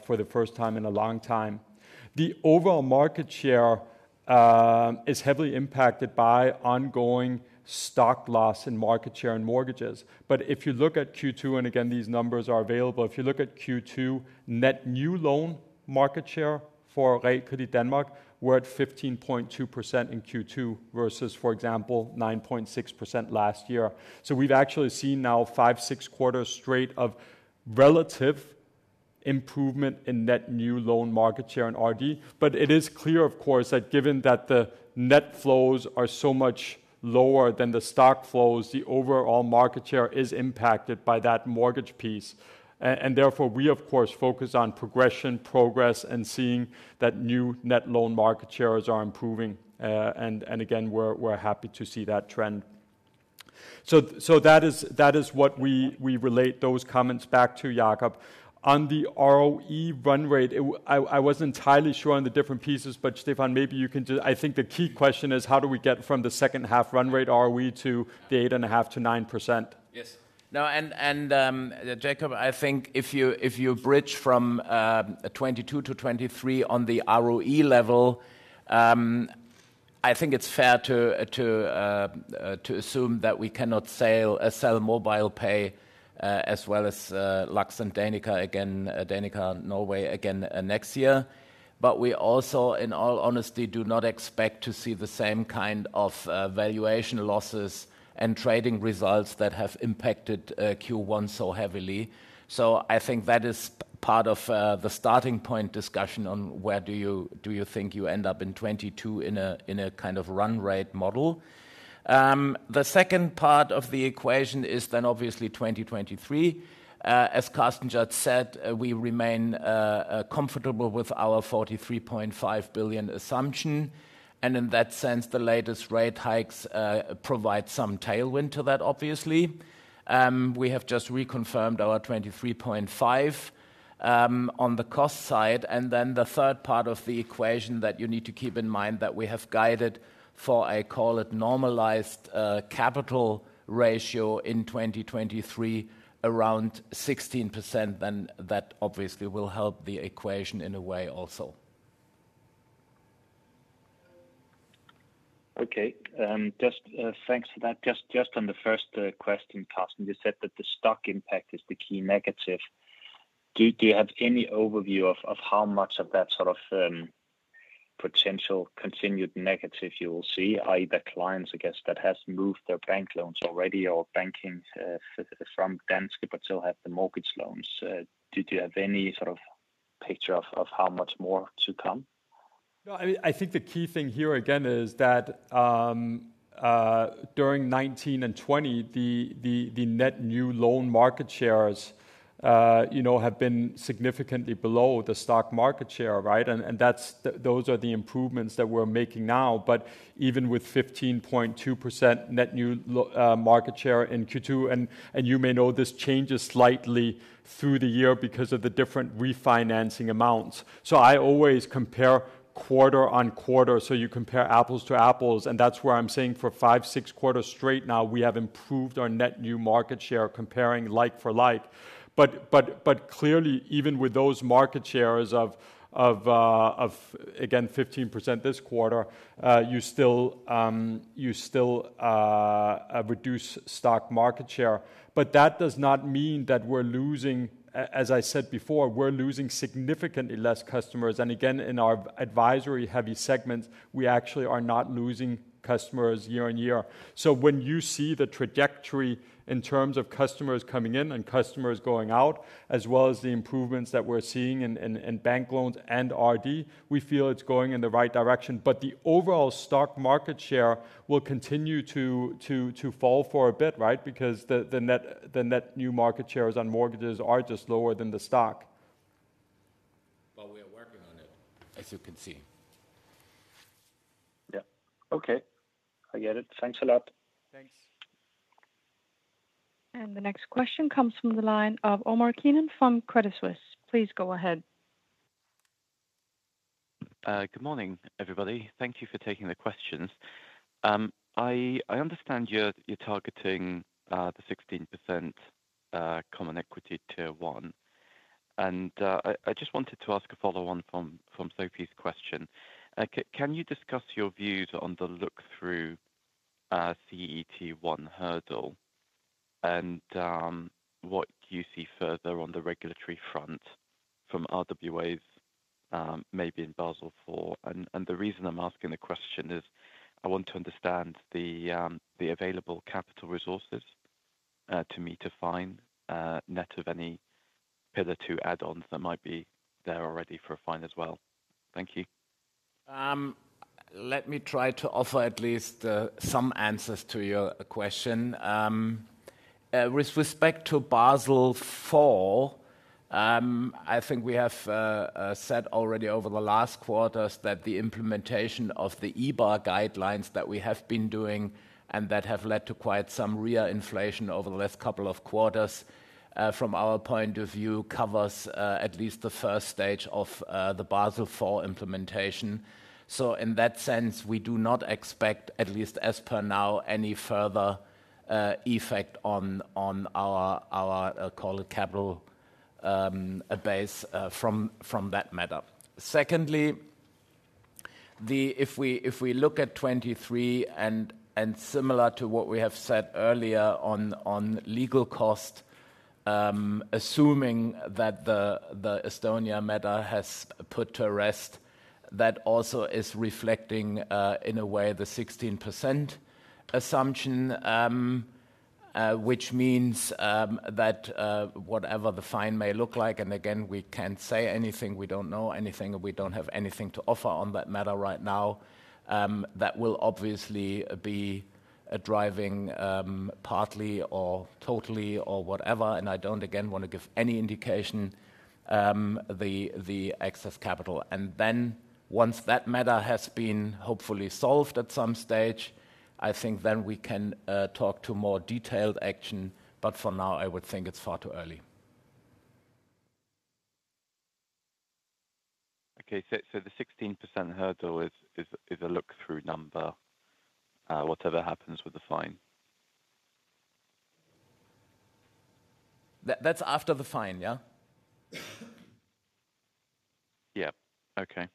for the first time in a long time. The overall market share is heavily impacted by ongoing stock loss in market share and mortgages. If you look at Q2, and again, these numbers are available. If you look at Q2 net new loan market share for Realkredit Danmark, we're at 15.2% in Q2 versus, for example, 9.6% last year. We've actually seen now five, six quarters straight of relative improvement in net new loan market share in RD. It is clear, of course, that given that the net flows are so much lower than the stock flows, the overall market share is impacted by that mortgage piece. Therefore, we of course focus on progression, progress, and seeing that new net loan market shares are improving. Again, we're happy to see that trend. That is what we relate those comments back to, Jacob. On the ROE run rate, I wasn't entirely sure on the different pieces, but Stefan, maybe you can just. I think the key question is how do we get from the H2 run rate ROE to the 8.5%-9%? Jakob, I think if you bridge from 2022 to 2023 on the ROE level, I think it's fair to assume that we cannot sell MobilePay as well as Lux and Danica Norway next year. We also, in all honesty, do not expect to see the same kind of valuation losses and trading results that have impacted Q1 so heavily. I think that is part of the starting point discussion on where do you think you end up in 2022 in a kind of run rate model. The second part of the equation is obviously 2023. As Carsten just said, we remain comfortable with our 43.5 billion assumption. In that sense, the latest rate hikes provide some tailwind to that obviously. We have just reconfirmed our 23.5 on the cost side. The third part of the equation that you need to keep in mind that we have guided for, I call it normalized capital ratio in 2023 around 16%, then that obviously will help the equation in a way also. Okay. Just thanks for that. Just on the first question, Carsten, you said that the stock impact is the key negative. Do you have any overview of how much of that sort of potential continued negative you will see, i.e. the clients, I guess, that has moved their bank loans already or banking from Danske but still have the mortgage loans. Do you have any sort of picture of how much more to come? No, I mean, I think the key thing here again is that, during 2019 and 2020 the net new loan market shares, you know, have been significantly below the stock market share, right? Those are the improvements that we're making now. But even with 15.2% net new market share in Q2, and you may know this changes slightly through the year because of the different refinancing amounts. I always compare quarter-over-quarter, so you compare apples to apples, and that's where I'm saying for five, six quarters straight now, we have improved our net new market share comparing like for like. Clearly even with those market shares of again 15% this quarter, you still reduce stock market share. That does not mean that we're losing. As I said before, we're losing significantly less customers. Again, in our advisory heavy segments, we actually are not losing customers year on year. When you see the trajectory in terms of customers coming in and customers going out, as well as the improvements that we're seeing in bank loans and RD, we feel it's going in the right direction. The overall stock market share will continue to fall for a bit, right? Because the net new market shares on mortgages are just lower than the stock. We are working on it, as you can see. Yeah. Okay. I get it. Thanks a lot. Thanks. The next question comes from the line of Omar Keenan from Credit Suisse. Please go ahead. Good morning, everybody. Thank you for taking the questions. I understand you're targeting the 16% common equity tier one. I just wanted to ask a follow on from Sofie's question. Can you discuss your views on the look-through CET1 hurdle and what you see further on the regulatory front from RWAs, maybe in Basel IV? The reason I'm asking the question is I want to understand the available capital resources to meet the fine net of any Pillar two add-ons that might be there already for a fine as well. Thank you. Let me try to offer at least some answers to your question. With respect to Basel IV, I think we have said already over the last quarters that the implementation of the EBA guidelines that we have been doing and that have led to quite some RWA inflation over the last couple of quarters, from our point of view, covers at least the first stage of the Basel IV implementation. In that sense, we do not expect, at least as of now, any further effect on our capital base from that matter. Secondly, if we look at 2023 and similar to what we have said earlier on legal cost, assuming that the Estonia matter has put to rest, that also is reflecting in a way the 16% assumption. Which means that whatever the fine may look like, and again, we can't say anything, we don't know anything, we don't have anything to offer on that matter right now, that will obviously be driving partly or totally or whatever, and I don't again wanna give any indication, the excess capital. Then once that matter has been hopefully solved at some stage, I think then we can talk to more detailed action. For now, I would think it's far too early. The 16% hurdle is a look-through number, whatever happens with the fine. That, that's after the fine, yeah? Yeah. Okay.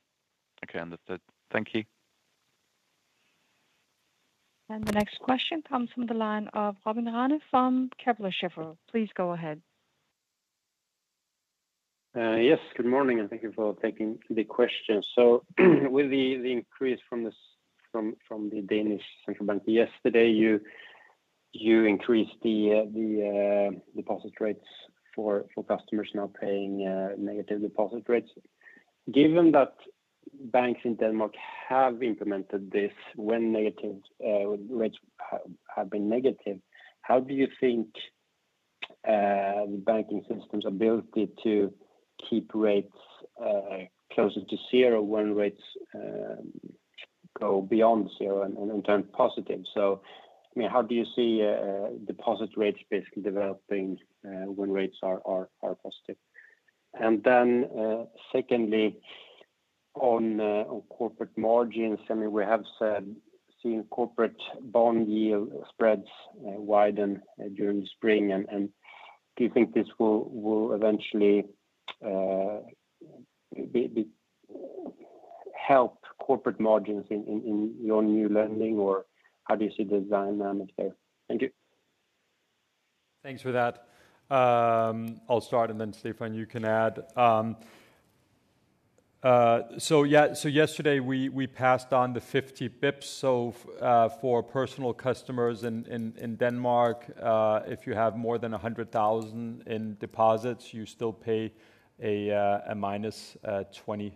Understood. Thank you. The next question comes from the line of Robin Rane from Kepler Cheuvreux. Please go ahead. Yes. Good morning, and thank you for taking the question. With the increase from the Danish Central Bank yesterday, you increased the deposit rates for customers now paying negative deposit rates. Given that banks in Denmark have implemented this when negative rates have been negative, how do you think the banking system's ability to keep rates closer to zero when rates go beyond zero and turn positive? I mean, how do you see deposit rates basically developing when rates are positive? Then, secondly, on corporate margins, I mean, we have seen corporate bond yield spreads widen during spring. Do you think this will eventually help corporate margins in your new lending, or how do you see the dynamic there? Thank you. Thanks for that. I'll start, and then Stephan, you can add. Yeah. Yesterday we passed on the 50 bps. For personal customers in Denmark, if you have more than 100,000 in deposits, you still pay a -20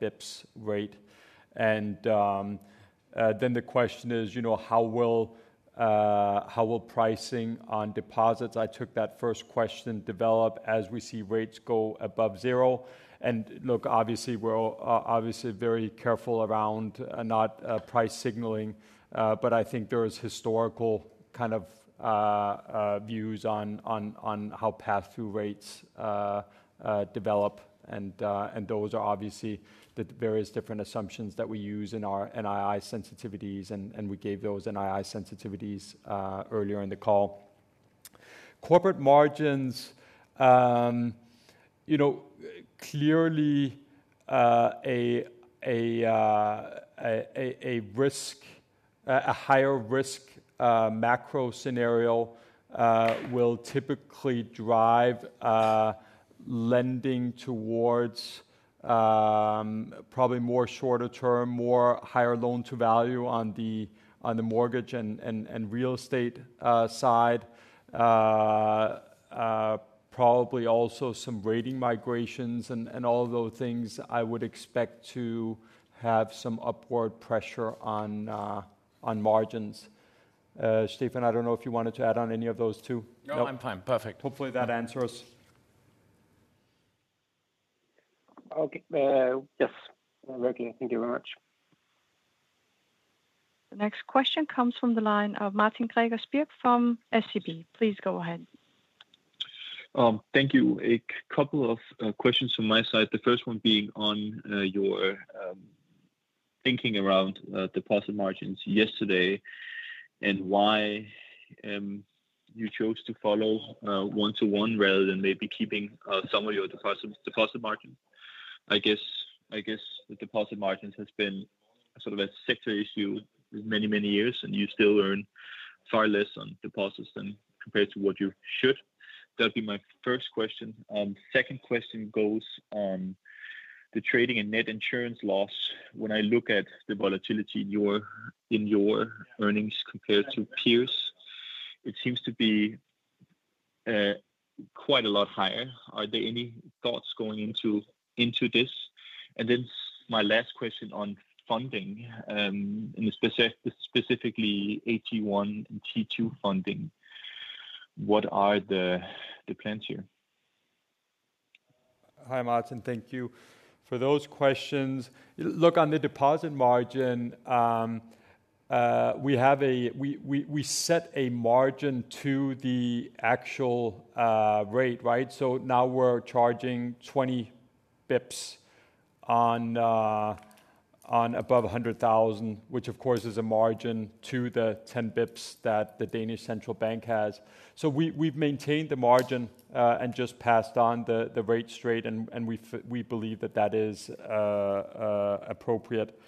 bps rate. Then the question is, you know, how will pricing on deposits, I took that first question, develop as we see rates go above zero? Look, obviously we're obviously very careful around not price signaling, but I think there is historical kind of views on how pass-through rates develop. Those are obviously the various different assumptions that we use in our NII sensitivities and we gave those NII sensitivities earlier in the call. Corporate margins, you know, clearly, a higher risk macro scenario will typically drive lending towards probably more shorter term, more higher loan-to-value on the mortgage and real estate side. Probably also some rating migrations and all of those things I would expect to have some upward pressure on margins. Stephan, I don't know if you wanted to add on any of those too. No, I'm fine. Perfect. Hopefully that answers. Okay. Yes. Working. Thank you very much. The next question comes from the line of Martin Gregers Birk from SEB. Please go ahead. Thank you. A couple of questions from my side. The first one being on your thinking around deposit margins yesterday and why you chose to follow one-to-one rather than maybe keeping some of your deposit margin. I guess the deposit margins has been sort of a sector issue many years, and you still earn far less on deposits than compared to what you should. That'd be my first question. Second question goes on the trading and net insurance loss. When I look at the volatility in your earnings compared to peers, it seems to be quite a lot higher. Are there any thoughts going into this? Then my last question on funding and specifically AT1 and T2 funding. What are the plans here? Hi, Martin. Thank you for those questions. Look, on the deposit margin, we set a margin to the actual rate, right? Now we're charging 20 bps on above 100,000, which of course is a margin to the 10 bps that the Danish Central Bank has. We've maintained the margin and just passed on the rate straight, and we believe that is appropriate.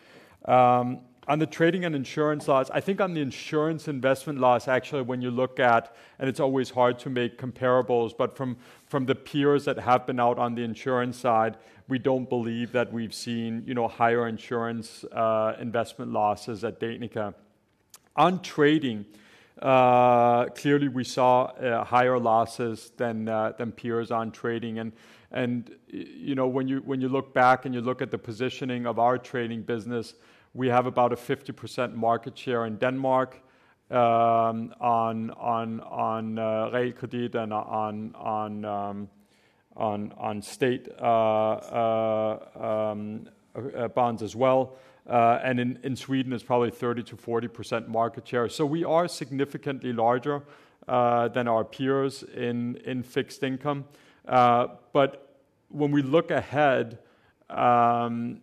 On the trading and insurance loss, I think on the insurance investment loss, actually, when you look at and it's always hard to make comparables, but from the peers that have been out on the insurance side, we don't believe that we've seen, you know, higher insurance investment losses at Danica. On trading, clearly we saw higher losses than peers on trading. You know, when you look back and you look at the positioning of our trading business, we have about a 50% market share in Denmark, on Realkredit and on state bonds as well. In Sweden it's probably 30%-40% market share. We are significantly larger than our peers in fixed income. When we look ahead, you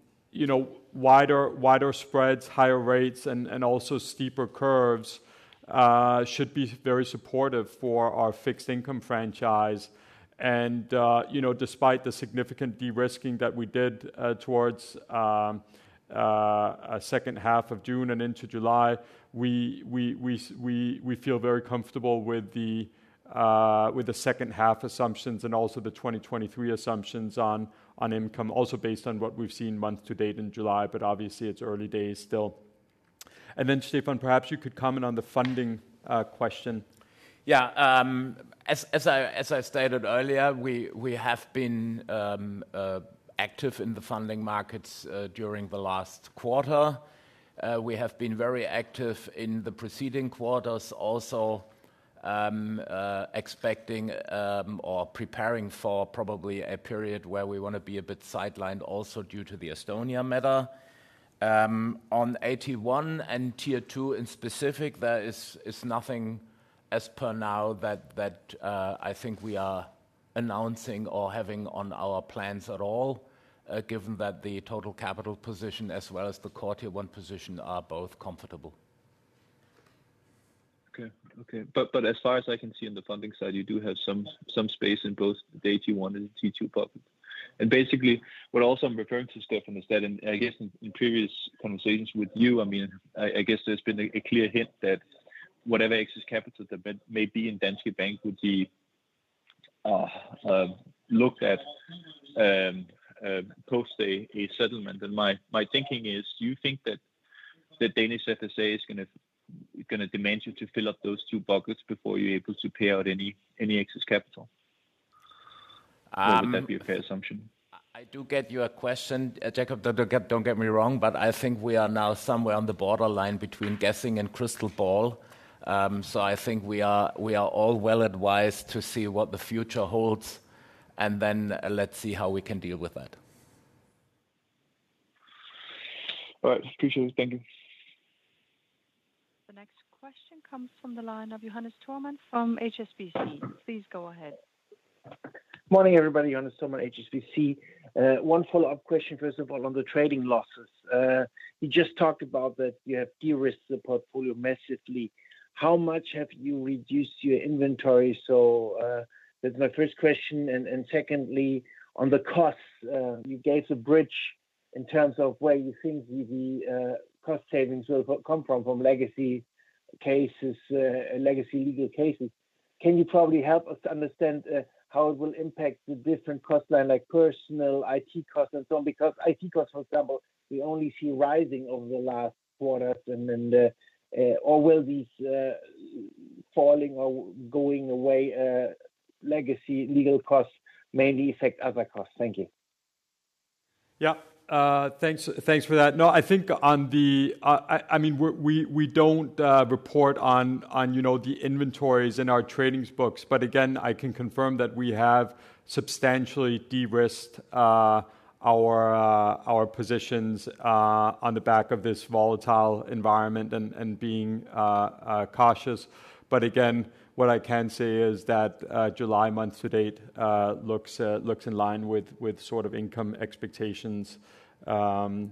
know, wider spreads, higher rates and also steeper curves should be very supportive for our fixed income franchise. Despite the significant de-risking that we did towards H2 of June and into July, we feel very comfortable with the H2 assumptions and also the 2023 assumptions on income. Also based on what we've seen month to date in July, but obviously it's early days still. Stephan, perhaps you could comment on the funding question. Yeah, as I stated earlier, we have been active in the funding markets during the last quarter. We have been very active in the preceding quarters also, expecting or preparing for probably a period where we wanna be a bit sidelined also due to the Estonia matter. On AT1 and Tier two specifically, there is nothing as of now that I think we are announcing or having on our plans at all, given that the total capital position as well as the Core Tier one position are both comfortable. But as far as I can see on the funding side, you do have some space in both the AT1 and Tier two bucket. Basically what also I'm referring to Stephan is that in, I guess in, previous conversations with you, I mean, I guess there's been a clear hint that whatever excess capital there may be in Danske Bank would be looked at post a settlement. My thinking is, do you think that the Danish FSA is gonna demand you to fill up those two buckets before you're able to pay out any excess capital? Um. Would that be a fair assumption? I do get your question, Jakob. Don't get me wrong, but I think we are now somewhere on the borderline between guessing and crystal ball. I think we are all well advised to see what the future holds, and then let's see how we can deal with that. All right. Appreciate it. Thank you. The next question comes from the line of Johannes Thormann from HSBC. Please go ahead. Morning, everybody. Johannes Thormann, HSBC. One follow-up question, first of all, on the trading losses. You just talked about that you have de-risked the portfolio massively. How much have you reduced your inventory? That's my first question. Secondly, on the costs, you gave the bridge in terms of where you think the cost savings will come from legacy cases, legacy legal cases. Can you probably help us understand how it will impact the different cost line, like personnel, IT costs and so on? Because IT costs, for example, we only see rising over the last quarters. Will these falling or going away legacy legal costs mainly affect other costs? Thank you. Yeah. Thanks for that. No, I mean, we don't report on, you know, the inventories in our trading books, but again, I can confirm that we have substantially de-risked our positions on the back of this volatile environment and being cautious. Again, what I can say is that July month to date looks in line with sort of income expectations, taking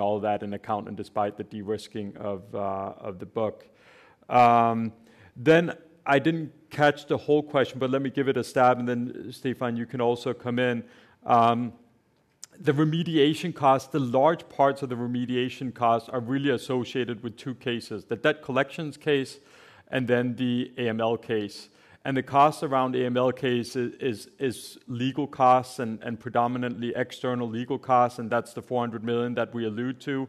all that into account and despite the de-risking of the book. I didn't catch the whole question, but let me give it a stab, and then Stephan, you can also come in. The remediation costs, the large parts of the remediation costs are really associated with two cases, the debt collections case and then the AML case. The cost around the AML case is legal costs and predominantly external legal costs, and that's the 400 million that we allude to.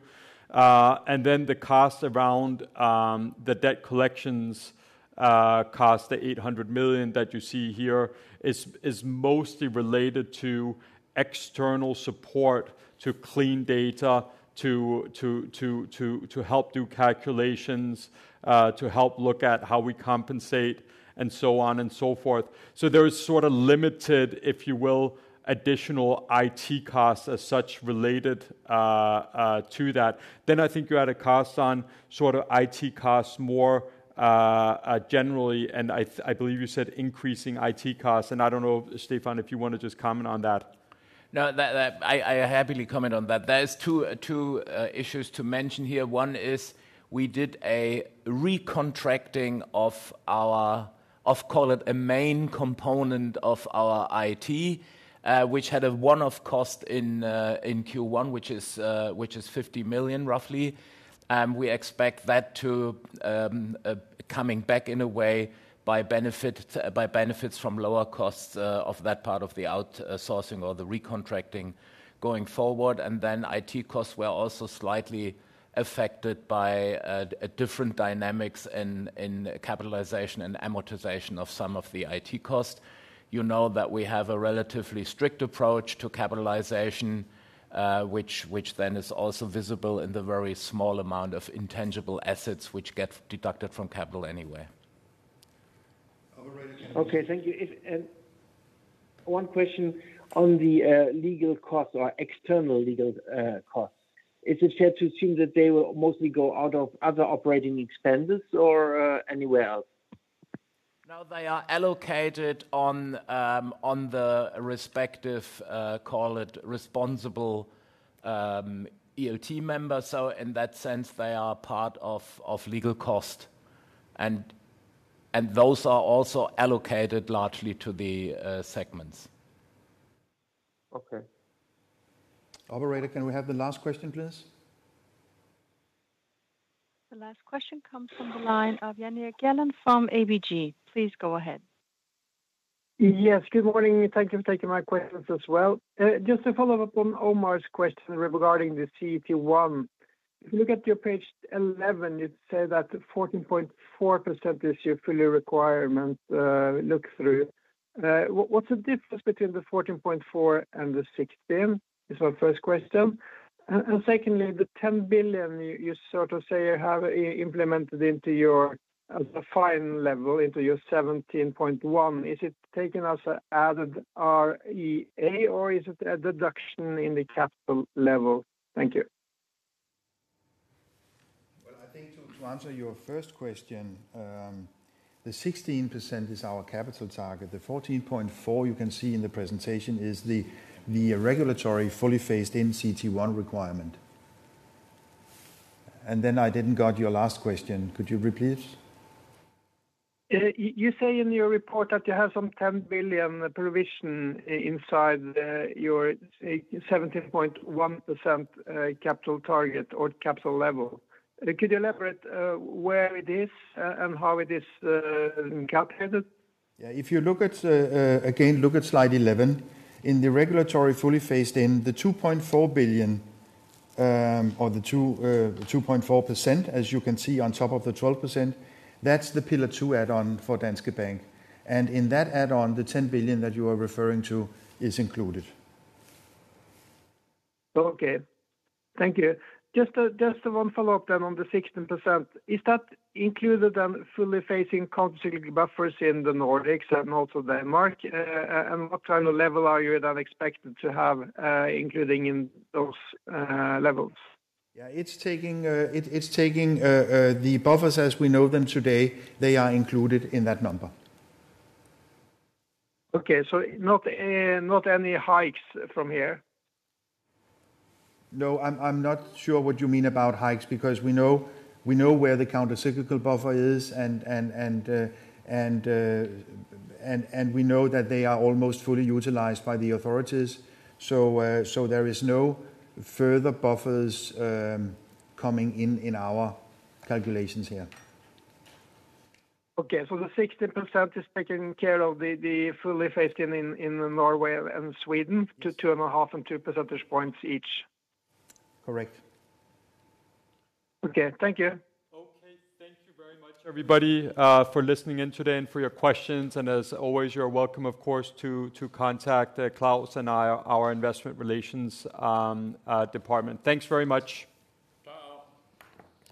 The cost around the debt collections cost, the 800 million that you see here, is mostly related to external support to clean data, to help do calculations, to help look at how we compensate and so on and so forth. There is sort of limited, if you will, additional IT costs as such related to that. I think you had a cost on sort of IT costs more generally, and I believe you said increasing IT costs. I don't know if, Stephan, if you wanna just comment on that. No. That I happily comment on that. There is two issues to mention here. One is we did a recontracting of call it a main component of our IT, which had a one-off cost in Q1, which is 50 million roughly. We expect that to come back in a way by benefits from lower costs of that part of the outsourcing or the recontracting going forward. IT costs were also slightly affected by a different dynamics in capitalization and amortization of some of the IT costs. You know that we have a relatively strict approach to capitalization, which then is also visible in the very small amount of intangible assets which get deducted from capital anyway. Okay, thank you. One question on the legal costs or external legal costs. Is it fair to assume that they will mostly go out of other operating expenditures or anywhere else? No, they are allocated on the respective, call it responsible, ELT member. So in that sense, they are part of legal cost and those are also allocated largely to the segments. Okay. Operator, can we have the last question, please? The last question comes from the line of Jannick Gellen from ABG. Please go ahead. Yes, good morning. Thank you for taking my questions as well. Just a follow-up on Omar's question regarding the CET1. If you look at your page 11, it says that 14.4% this year fully loaded requirement look-through. What's the difference between the 14.4% and the 16%, is my first question. And secondly, the 10 billion you sort of say you have implemented into your, as a floor level, into your 17.1. Is it taken as added RWA or is it a deduction in the capital level? Thank you. Well, I think to answer your first question, the 16% is our capital target. The 14.4 you can see in the presentation is the regulatory fully phased-in CET1 requirement. I didn't got your last question. Could you repeat it? You say in your report that you have some 10 billion provision inside your 17.1% capital target or capital level. Could you elaborate where it is and how it is calculated? If you look at slide 11 again. In the regulatory fully phased in, the 2.4 billion, or the 2.4%, as you can see on top of the 12%, that's the Pillar two add-on for Danske Bank. In that add-on, the 10 billion that you are referring to is included. Okay. Thank you. Just one follow-up on the 16%. Is that included and fully phasing countercyclical buffers in the Nordics and also Denmark? What kind of level are you then expected to have, including in those levels? Yeah, it's taking the buffers as we know them today. They are included in that number. Okay. Not any hikes from here. No. I'm not sure what you mean about hikes, because we know where the countercyclical buffer is and we know that they are almost fully utilized by the authorities. There is no further buffers coming in our calculations here. Okay. The 16% is taking care of the fully phased in in Norway and Sweden to 2.5 and two percentage points each. Correct. Okay. Thank you. Okay. Thank you very much, everybody, for listening in today and for your questions. As always, you're welcome, of course, to contact Claus and I, our Investor Relations department. Thanks very much. Ciao.